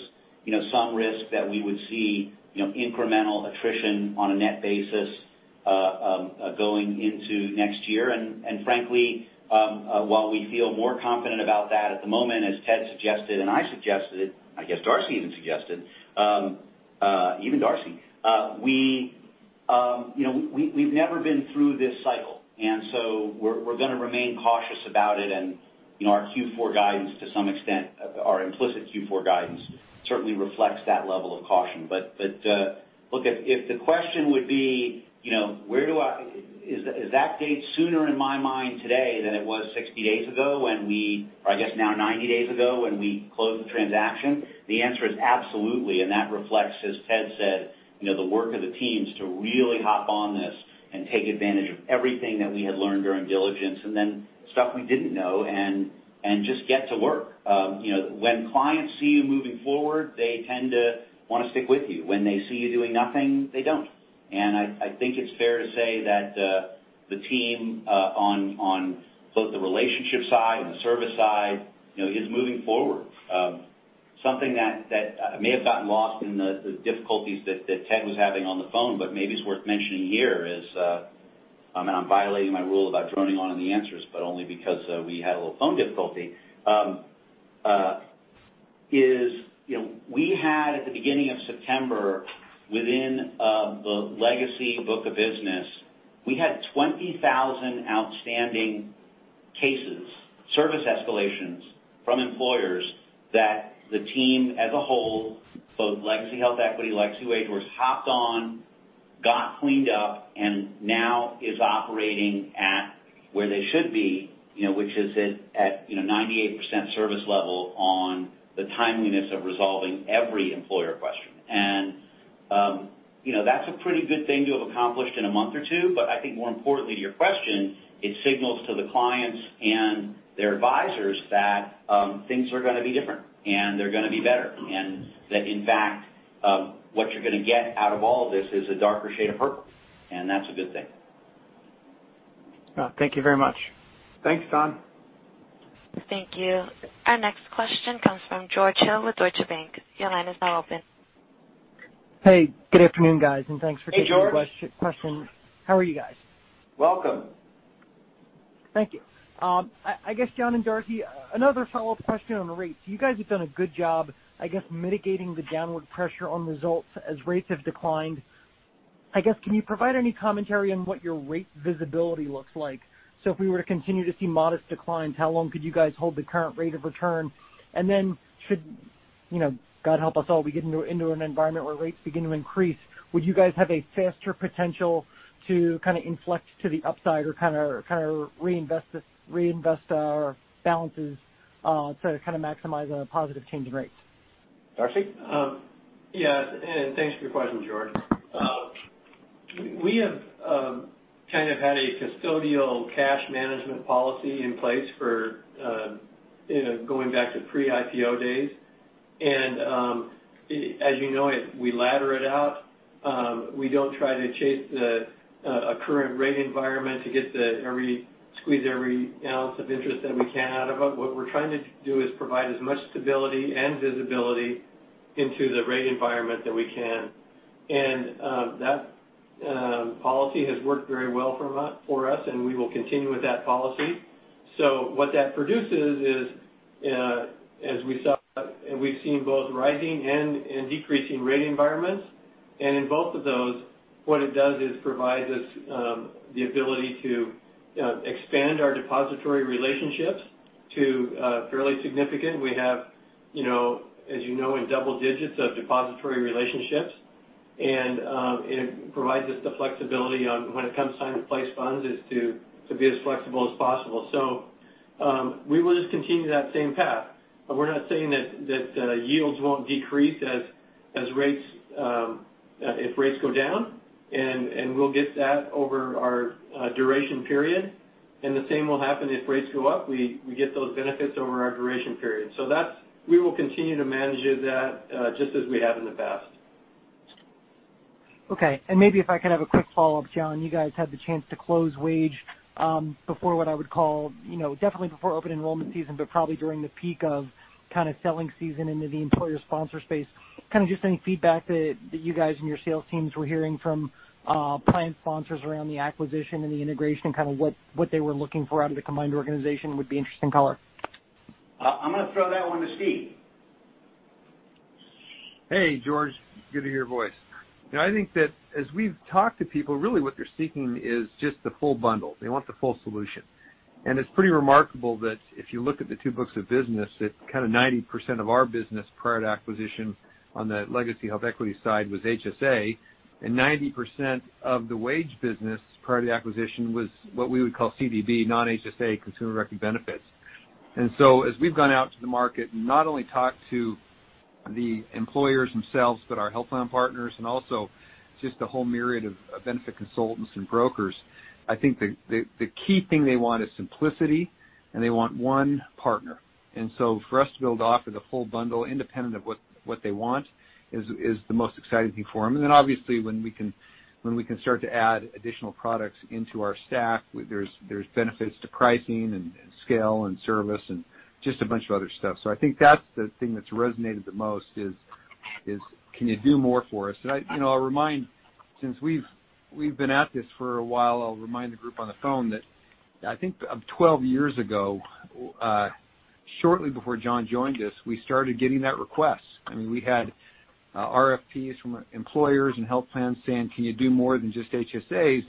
some risk that we would see incremental attrition on a net basis going into next year. Frankly, while we feel more confident about that at the moment, as Ted suggested, and I suggested, I guess Darcy even suggested. Even Darcy. We've never been through this cycle, so we're going to remain cautious about it, and our implicit Q4 guidance certainly reflects that level of caution. Look, if the question would be, is that date sooner in my mind today than it was 60 days ago when we, or I guess now 90 days ago, when we closed the transaction? The answer is absolutely. That reflects, as Ted said, the work of the teams to really hop on this and take advantage of everything that we had learned during diligence and then stuff we didn't know and just get to work. When clients see you moving forward, they tend to want to stick with you. When they see you doing nothing, they don't. I think it's fair to say that the team on both the relationship side and the service side is moving forward. Something that may have gotten lost in the difficulties that Ted was having on the phone, but maybe it's worth mentioning here is, I'm violating my rule about droning on in the answers, but only because we had a little phone difficulty. We had at the beginning of September, within the legacy book of business, we had 20,000 outstanding cases, service escalations from employers that the team as a whole, both legacy HealthEquity, legacy WageWorks, hopped on, got cleaned up, and now is operating at where they should be, which is at 98% service level on the timeliness of resolving every employer question. That's a pretty good thing to have accomplished in a month or two. I think more importantly to your question, it signals to the clients and their advisors that things are going to be different, and they're going to be better. That, in fact, what you're going to get out of all this is a darker shade of purple, and that's a good thing. Well, thank you very much. Thanks, Don. Thank you. Our next question comes from George Hill with Deutsche Bank. Your line is now open. Hey, good afternoon, guys, thanks for taking the question. Hey, George. How are you guys? Welcome. Thank you. Jon and Darcy, another follow-up question on rates. You guys have done a good job mitigating the downward pressure on results as rates have declined. Can you provide any commentary on what your rate visibility looks like? If we were to continue to see modest declines, how long could you guys hold the current rate of return? Should, God help us all, we get into an environment where rates begin to increase, would you guys have a faster potential to kind of inflect to the upside or kind of reinvest our balances to maximize a positive change in rates? Darcy? Thanks for your question, George. We have had a custodial cash management policy in place for going back to pre-IPO days. As you know, we ladder it out. We don't try to chase a current rate environment to squeeze every ounce of interest that we can out of it. What we're trying to do is provide as much stability and visibility into the rate environment that we can. That policy has worked very well for us, and we will continue with that policy. What that produces is, as we saw, and we've seen both rising and decreasing rate environments. In both of those, what it does is provides us the ability to expand our depository relationships to fairly significant. We have, as you know, in double digits of depository relationships. It provides us the flexibility on when it comes time to place funds, is to be as flexible as possible. We will just continue that same path. We're not saying that yields won't decrease if rates go down, and we'll get that over our duration period. The same will happen if rates go up. We get those benefits over our duration period. We will continue to manage that, just as we have in the past. Okay. Maybe if I could have a quick follow-up, Jon. You guys had the chance to close Wage before what I would call, definitely before open enrollment season, but probably during the peak of selling season into the employer sponsor space. Just any feedback that you guys and your sales teams were hearing from plan sponsors around the acquisition and the integration, what they were looking for out of the combined organization would be interesting color. I'm going to throw that one to Steve. Hey, George. Good to hear your voice. I think that as we've talked to people, really what they're seeking is just the full bundle. They want the full solution. It's pretty remarkable that if you look at the two books of business, that kind of 90% of our business prior to acquisition on the legacy HealthEquity side was HSA, and 90% of the Wage business prior to the acquisition was what we would call CDB, non-HSA, consumer-directed benefits. As we've gone out to the market and not only talked to the employers themselves, but our health plan partners and also just a whole myriad of benefit consultants and brokers, I think the key thing they want is simplicity, and they want one partner. For us to be able to offer the full bundle independent of what they want is the most exciting thing for them. Obviously, when we can start to add additional products into our stack, there's benefits to pricing and scale and service and just a bunch of other stuff. I think that's the thing that's resonated the most is, can you do more for us? I'll remind, since we've been at this for a while, I'll remind the group on the phone that I think 12 years ago, shortly before Jon joined us, we started getting that request. I mean, we had RFPs from employers and health plans saying, "Can you do more than just HSAs?"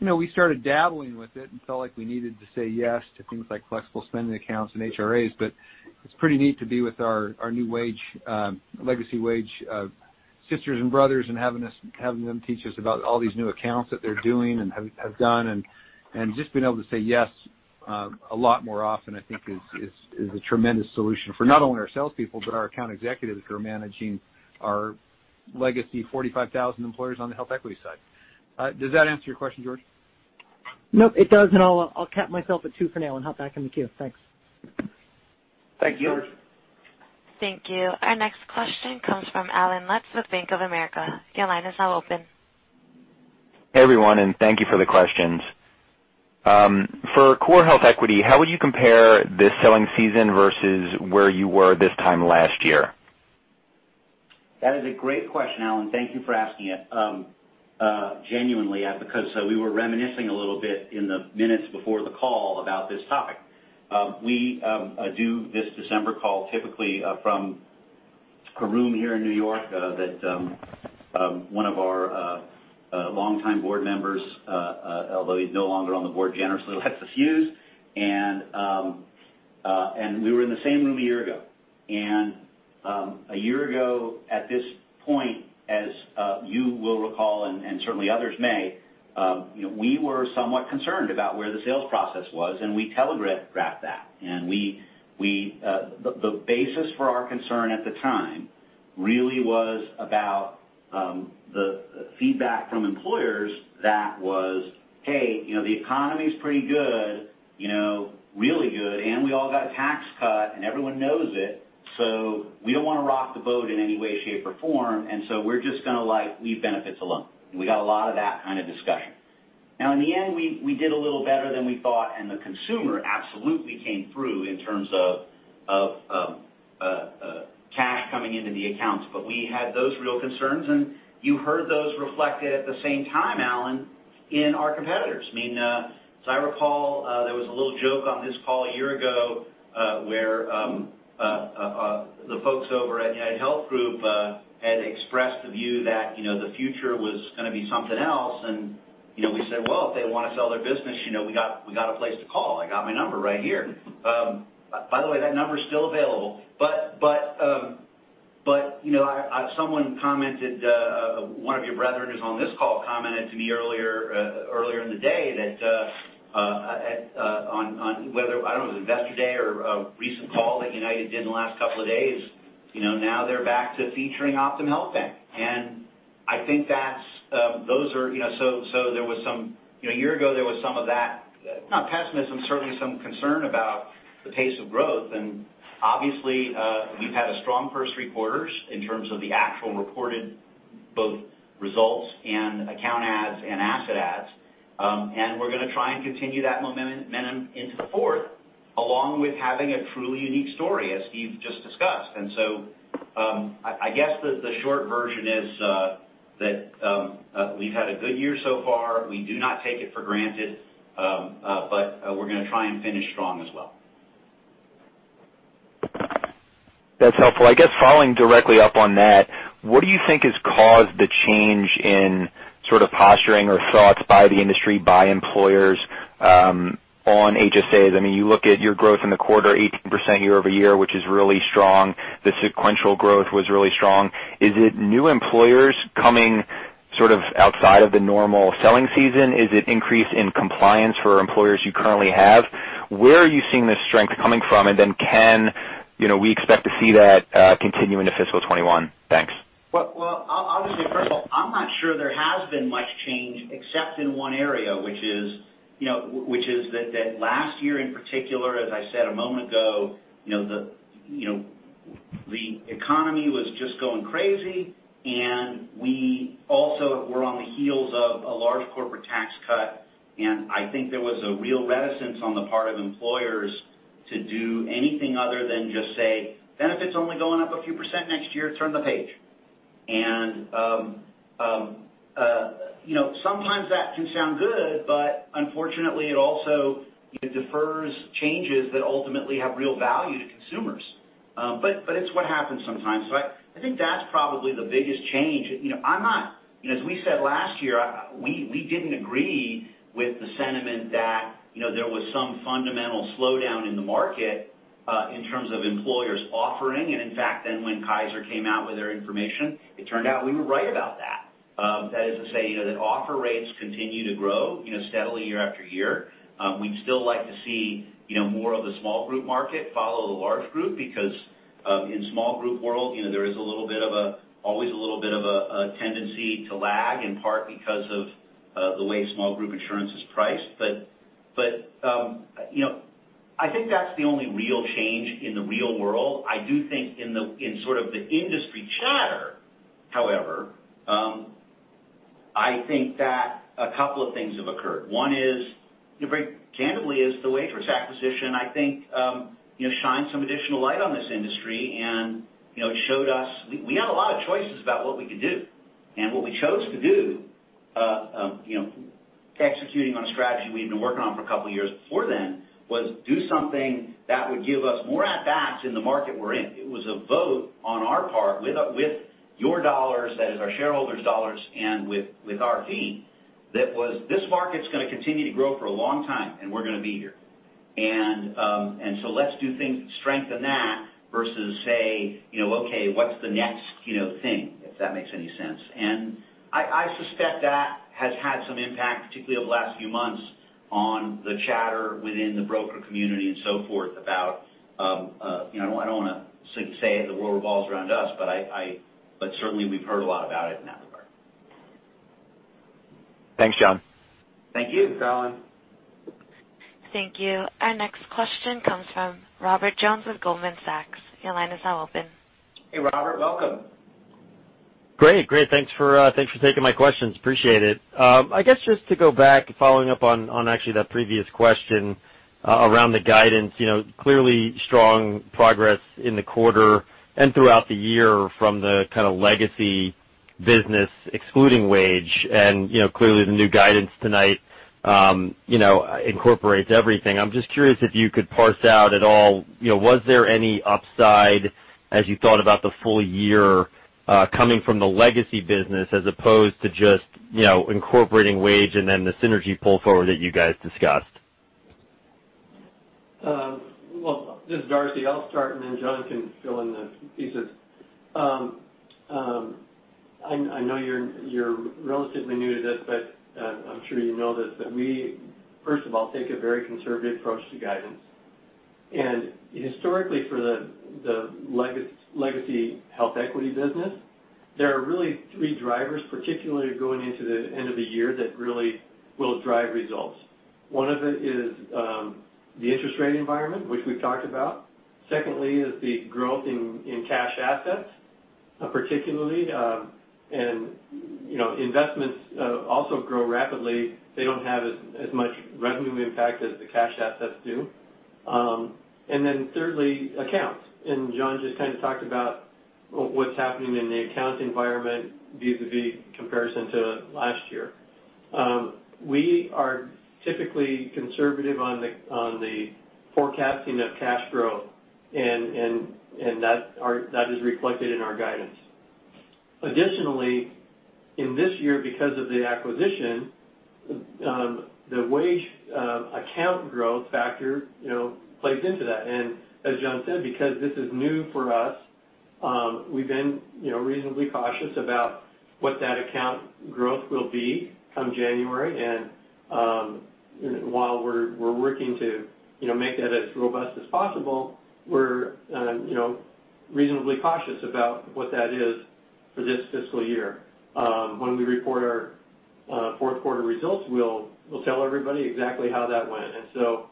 We started dabbling with it and felt like we needed to say yes to things like flexible spending accounts and HRAs. It's pretty neat to be with our new legacy Wage sisters and brothers and having them teach us about all these new accounts that they're doing and have done, and just being able to say yes a lot more often, I think, is a tremendous solution for not only our salespeople, but our account executives who are managing our legacy 45,000 employers on the HealthEquity side. Does that answer your question, George? Nope, it does, and I'll cap myself at two for now and hop back in the queue. Thanks. Thank you, George. Thank you. Our next question comes from Allen Lutz with Bank of America. Your line is now open. Hey, everyone, and thank you for the questions. For Core HealthEquity, how would you compare this selling season versus where you were this time last year? That is a great question, Allen. Thank you for asking it. Genuinely, because we were reminiscing a little bit in the minutes before the call about this topic. We do this December call typically from a room here in N.Y., that one of our longtime board members, although he's no longer on the board, generously lets us use. We were in the same room a year ago. A year ago, at this point, as you will recall and certainly others may, we were somewhat concerned about where the sales process was, and we telegraphed that. The basis for our concern at the time really was about the feedback from employers that was, "Hey, the economy's pretty good, really good, and we all got a tax cut, and everyone knows it. We don't want to rock the boat in any way, shape, or form. We're just going to leave benefits alone." We got a lot of that kind of discussion. Now, in the end, we did a little better than we thought, and the consumer absolutely came through in terms of cash coming into the accounts. We had those real concerns, and you heard those reflected at the same time, Allen, in our competitors. I mean, as I recall, there was a little joke on this call a year ago, where the folks over at UnitedHealth Group had expressed the view that the future was going to be something else. We said, "Well, if they want to sell their business, we got a place to call. I got my number right here." By the way, that number's still available. Someone commented, one of your brethren who's on this call commented to me earlier in the day that on, whether, I don't know, it was Investor Day or a recent call that United did in the last couple of days, now they're back to featuring Optum Bank. I think a year ago, there was some of that, not pessimism, certainly some concern about the pace of growth, and obviously, we've had a strong first three quarters in terms of the actual reported both results and account adds and asset adds. We're going to try and continue that momentum into the fourth, along with having a truly unique story, as Steve just discussed. I guess the short version is that we've had a good year so far. We do not take it for granted. We're going to try and finish strong as well. That's helpful. I guess following directly up on that, what do you think has caused the change in sort of posturing or thoughts by the industry, by employers, on HSAs? You look at your growth in the quarter, 18% year-over-year, which is really strong. The sequential growth was really strong. Is it new employers coming sort of outside of the normal selling season? Is it increase in compliance for employers you currently have? Where are you seeing the strength coming from? Can we expect to see that continue into fiscal 2021? Thanks. Well, obviously, first of all, I'm not sure there has been much change except in one area, which is that last year in particular, as I said a moment ago, the economy was just going crazy, and we also were on the heels of a large corporate tax cut, and I think there was a real reticence on the part of employers to do anything other than just say, "Benefit's only going up a few percent next year, turn the page." Sometimes that can sound good, but unfortunately, it also defers changes that ultimately have real value to consumers. It's what happens sometimes. I think that's probably the biggest change. As we said last year, we didn't agree with the sentiment that there was some fundamental slowdown in the market in terms of employers offering, and in fact, then when Kaiser came out with their information, it turned out we were right about that. That is to say, that offer rates continue to grow steadily year after year. We'd still like to see more of the small group market follow the large group, because in small group world, there is always a little bit of a tendency to lag, in part because of the way small group insurance is priced. I think that's the only real change in the real world. I do think in sort of the industry chatter, however, I think that a couple of things have occurred. One is, very candidly, is the WageWorks acquisition, I think shined some additional light on this industry, and it showed us we had a lot of choices about what we could do. What we chose to do, executing on a strategy we'd been working on for a couple of years before then, was do something that would give us more at bats in the market we're in. It was a vote on our part with your dollars, that is our shareholders' dollars, and with our fee. That was, this market's going to continue to grow for a long time, and we're going to be here. Let's do things that strengthen that versus say, "Okay, what's the next thing?" If that makes any sense. I suspect that has had some impact, particularly over the last few months, on the chatter within the broker community and so forth about, I don't want to say the world revolves around us, but certainly we've heard a lot about it in that regard. Thanks, Jon. Thank you, Colin. Thank you. Our next question comes from Robert Jones with Goldman Sachs. Your line is now open. Hey, Robert, welcome. Great. Thanks for taking my questions. Appreciate it. I guess just to go back, following up on actually that previous question around the guidance. Clearly strong progress in the quarter and throughout the year from the kind of legacy business excluding Wage, and clearly the new guidance tonight incorporates everything. I'm just curious if you could parse out at all, was there any upside as you thought about the full year, coming from the legacy business as opposed to just incorporating Wage and then the synergy pull forward that you guys discussed? Well, this is Darcy. I'll start, then Jon can fill in the pieces. I know you're relatively new to this, but I'm sure you know this, that we, first of all, take a very conservative approach to guidance. Historically, for the legacy HealthEquity business, there are really three drivers, particularly going into the end of the year, that really will drive results. One of it is the interest rate environment, which we've talked about. Secondly is the growth in cash assets, particularly. Investments also grow rapidly. They don't have as much revenue impact as the cash assets do. Thirdly, accounts. Jon just kind of talked about what's happening in the account environment vis-a-vis comparison to last year. We are typically conservative on the forecasting of cash growth, and that is reflected in our guidance. Additionally, in this year, because of the acquisition, the Wage account growth factor plays into that. As Jon said, because this is new for us, we've been reasonably cautious about what that account growth will be come January and While we're working to make that as robust as possible, we're reasonably cautious about what that is for this fiscal year. When we report our fourth quarter results, we'll tell everybody exactly how that went. So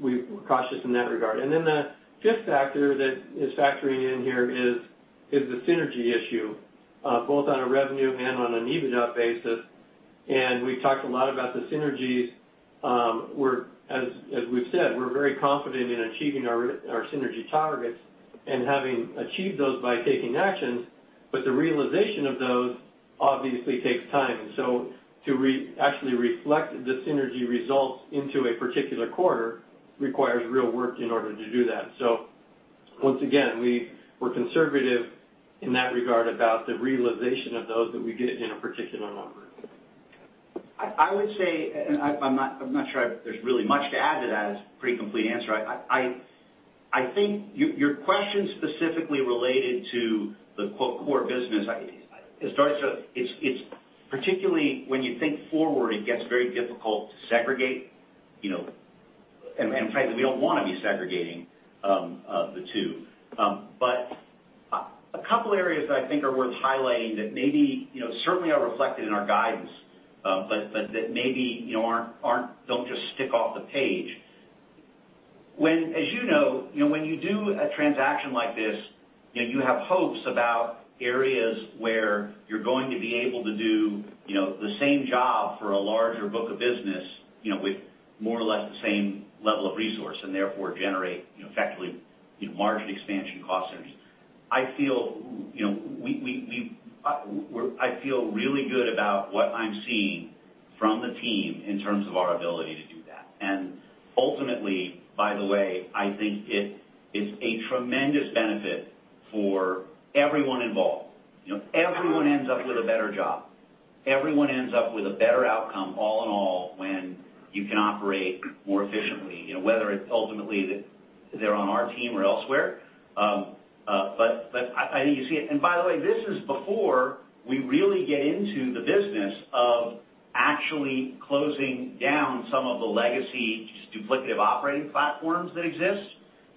we're cautious in that regard. Then the fifth factor that is factoring in here is the synergy issue, both on a revenue and on an EBITDA basis. We've talked a lot about the synergies, as we've said, we're very confident in achieving our synergy targets and having achieved those by taking actions. The realization of those obviously takes time. To actually reflect the synergy results into a particular quarter requires real work in order to do that. Once again, we're conservative in that regard about the realization of those that we get in a particular number. I would say, I'm not sure there's really much to add to that. It's a pretty complete answer. I think your question specifically related to the, quote, "core business." It's particularly when you think forward, it gets very difficult to segregate. Frankly, we don't want to be segregating the two. A couple areas that I think are worth highlighting that maybe certainly are reflected in our guidance, but that maybe don't just stick off the page. As you know, when you do a transaction like this, you have hopes about areas where you're going to be able to do the same job for a larger book of business with more or less the same level of resource, and therefore generate effectively margin expansion cost centers. I feel really good about what I'm seeing from the team in terms of our ability to do that. Ultimately, by the way, I think it is a tremendous benefit for everyone involved. Everyone ends up with a better job. Everyone ends up with a better outcome all in all, when you can operate more efficiently, whether it's ultimately they're on our team or elsewhere. I think you see it. By the way, this is before we really get into the business of actually closing down some of the legacy duplicative operating platforms that exist.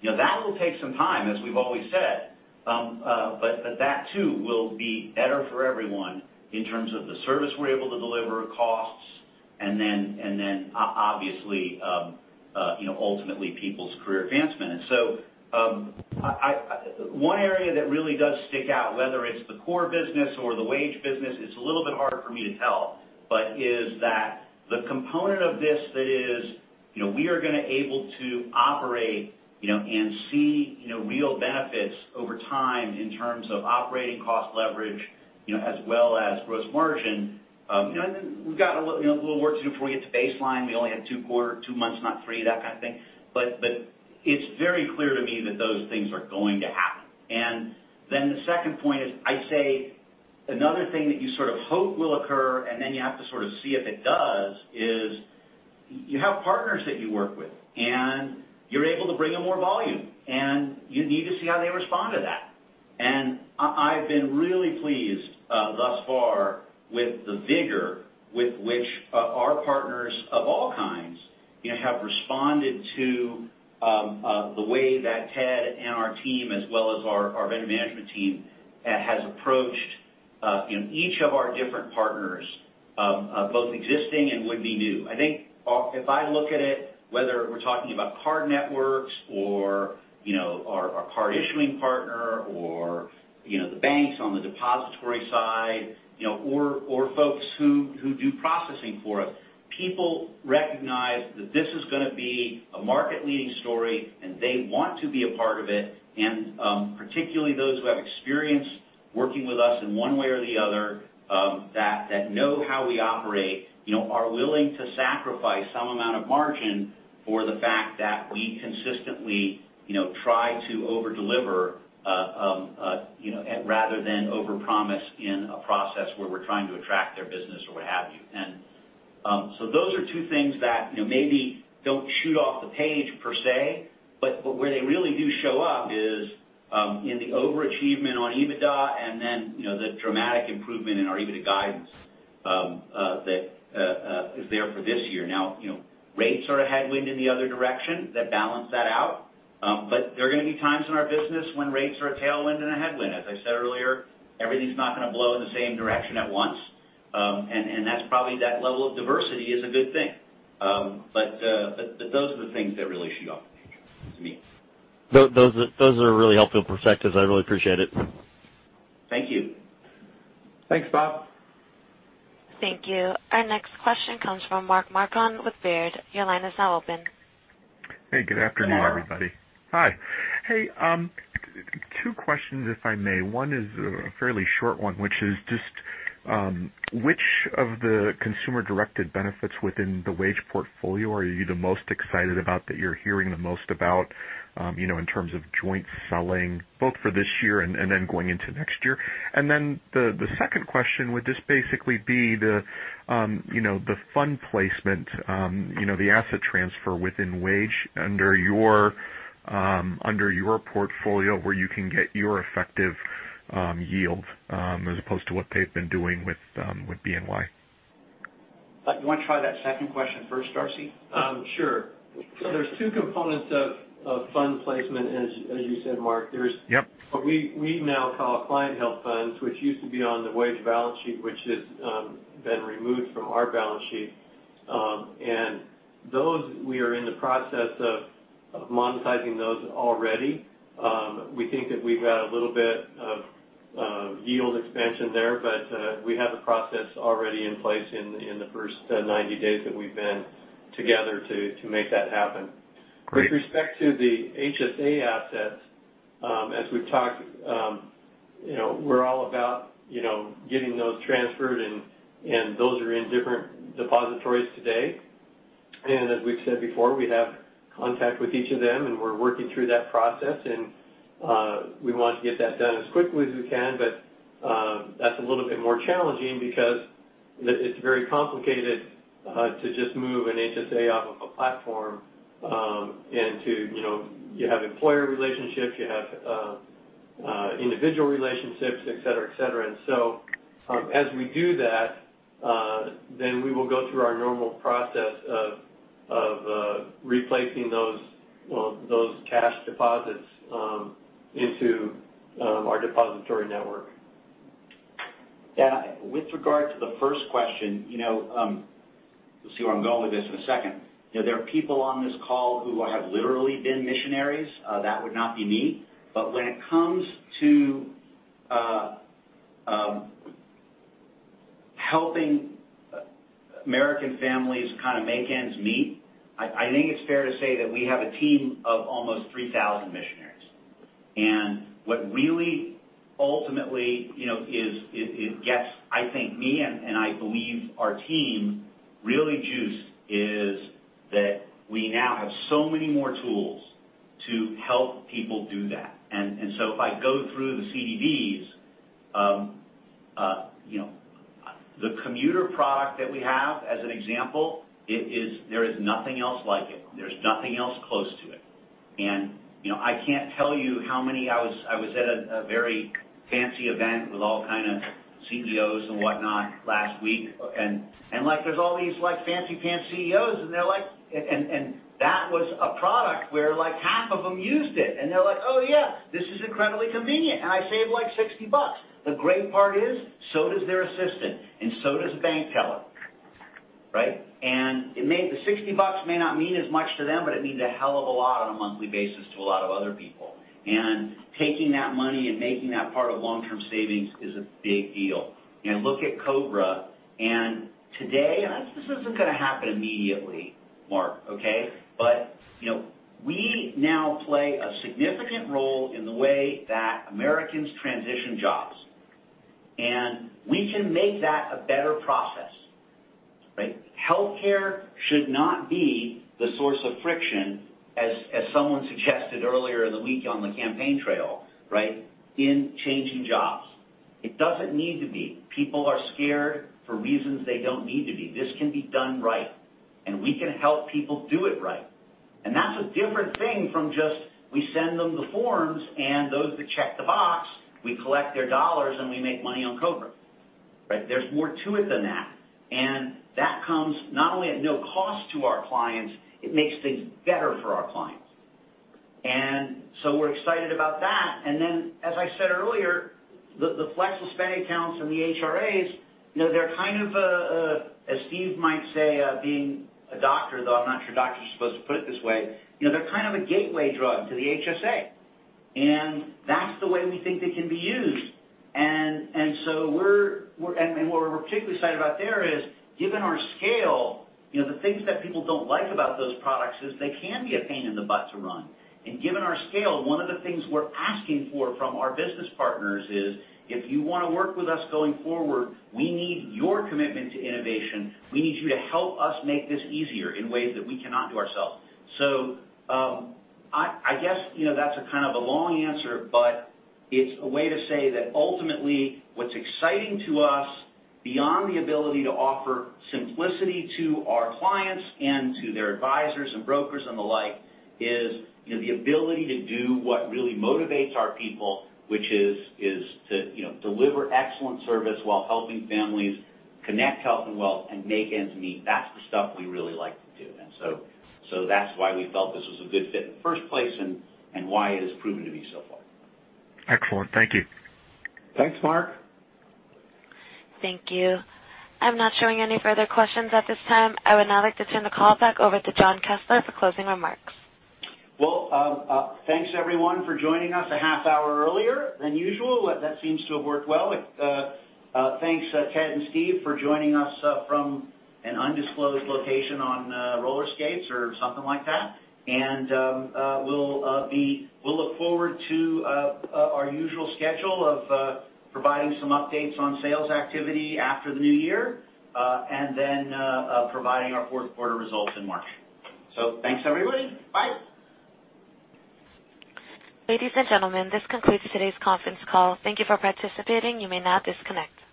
That will take some time, as we've always said. That too will be better for everyone in terms of the service we're able to deliver, costs, and then obviously ultimately people's career advancement. One area that really does stick out, whether it's the core business or the wage business, it's a little bit harder for me to tell, but is that the component of this that is we are going to able to operate and see real benefits over time in terms of operating cost leverage as well as gross margin. Then we've got a little work to do before we get to baseline. We only had two quarter, two months, not three, that kind of thing. It's very clear to me that those things are going to happen. Then the second point is I say another thing that you sort of hope will occur and then you have to sort of see if it does, is you have partners that you work with, you're able to bring them more volume, you need to see how they respond to that. I've been really pleased thus far with the vigor with which our partners of all kinds have responded to the way that Ted and our team as well as our vendor management team has approached in each of our different partners, both existing and would-be new. I think if I look at it, whether we're talking about card networks or our card issuing partner or the banks on the depository side or folks who do processing for us, people recognize that this is going to be a market leading story, and they want to be a part of it. Particularly those who have experience working with us in one way or the other that know how we operate, are willing to sacrifice some amount of margin for the fact that we consistently try to over-deliver rather than overpromise in a process where we're trying to attract their business or what have you. Those are two things that maybe don't shoot off the page per se, but where they really do show up is in the overachievement on EBITDA and then the dramatic improvement in our EBITDA guidance that is there for this year. Now, rates are a headwind in the other direction that balance that out. There are going to be times in our business when rates are a tailwind and a headwind. As I said earlier, everything's not going to blow in the same direction at once. That's probably that level of diversity is a good thing. Those are the things that really should go off the page to me. Those are really helpful perspectives. I really appreciate it. Thank you. Thanks, Bob. Thank you. Our next question comes from Mark Marcon with Baird. Your line is now open. Good afternoon, everybody. Hello. Hi. Two questions, if I may. One is a fairly short one, which is just which of the consumer-directed benefits within the Wage portfolio are you the most excited about, that you're hearing the most about in terms of joint selling, both for this year and then going into next year? The second question would just basically be the fund placement, the asset transfer within Wage under your portfolio where you can get your effective yield as opposed to what they've been doing with BNY? You want to try that second question first, Darcy? Sure. There's two components of fund placement, as you said, Mark. Yep. There's what we now call client health funds, which used to be on the WageWorks balance sheet, which has been removed from our balance sheet. Those, we are in the process of monetizing those already. We think that we've got a little bit of yield expansion there, but we have the process already in place in the first 90 days that we've been together to make that happen. Great. With respect to the HSA assets, as we've talked, we're all about getting those transferred, and those are in different depositories today. As we've said before, we have contact with each of them, and we're working through that process, and we want to get that done as quickly as we can. That's a little bit more challenging because it's very complicated to just move an HSA off of a platform. You have employer relationships, you have individual relationships, et cetera. As we do that, then we will go through our normal process of replacing those cash deposits into our depository network. With regard to the first question, you'll see where I'm going with this in a second. There are people on this call who have literally been missionaries. That would not be me. But when it comes to helping American families kind of make ends meet, I think it's fair to say that we have a team of almost 3,000 missionaries. What really ultimately, gets, I think me, and I believe our team, really juiced is that we now have so many more tools to help people do that. If I go through the CDDs, the commuter product that we have as an example, there is nothing else like it. There's nothing else close to it. I can't tell you how many-- I was at a very fancy event with all kind of CEOs and whatnot last week, and there's all these fancy pants CEOs, and that was a product where half of them used it. They're like, "Oh, yeah, this is incredibly convenient, and I saved, like, $60." The great part is, so does their assistant and so does the bank teller, right? The $60 may not mean as much to them, but it means a hell of a lot on a monthly basis to a lot of other people. Taking that money and making that part of long-term savings is a big deal. Look at COBRA, and today, this isn't going to happen immediately, Mark, okay? We now play a significant role in the way that Americans transition jobs, and we can make that a better process, right? Healthcare should not be the source of friction, as someone suggested earlier in the week on the campaign trail, in changing jobs. It doesn't need to be. People are scared for reasons they don't need to be. This can be done right, and we can help people do it right. That's a different thing from just, we send them the forms and those that check the box, we collect their dollars, and we make money on COBRA, right? There's more to it than that. That comes not only at no cost to our clients, it makes things better for our clients. We're excited about that. As I said earlier, the flexible spending accounts and the HRAs, they're kind of, as Steve might say, being a doctor, though I'm not sure doctors are supposed to put it this way, they're kind of a gateway drug to the HSA, and that's the way we think they can be used. What we're particularly excited about there is, given our scale, the things that people don't like about those products is they can be a pain in the butt to run. Given our scale, one of the things we're asking for from our business partners is, if you want to work with us going forward, we need your commitment to innovation. We need you to help us make this easier in ways that we cannot do ourselves. I guess that's a kind of a long answer, but it's a way to say that ultimately, what's exciting to us, beyond the ability to offer simplicity to our clients and to their advisors and brokers and the like, is the ability to do what really motivates our people, which is to deliver excellent service while helping families connect health and wealth and make ends meet. That's the stuff we really like to do. That's why we felt this was a good fit in the first place and why it has proven to be so far. Excellent. Thank you. Thanks, Mark. Thank you. I'm not showing any further questions at this time. I would now like to turn the call back over to Jon Kessler for closing remarks. Well, thanks everyone for joining us a half hour earlier than usual. That seems to have worked well. Thanks, Ted and Steve, for joining us from an undisclosed location on roller skates or something like that. We'll look forward to our usual schedule of providing some updates on sales activity after the new year, then providing our fourth quarter results in March. Thanks, everybody. Bye. Ladies and gentlemen, this concludes today's conference call. Thank you for participating. You may now disconnect.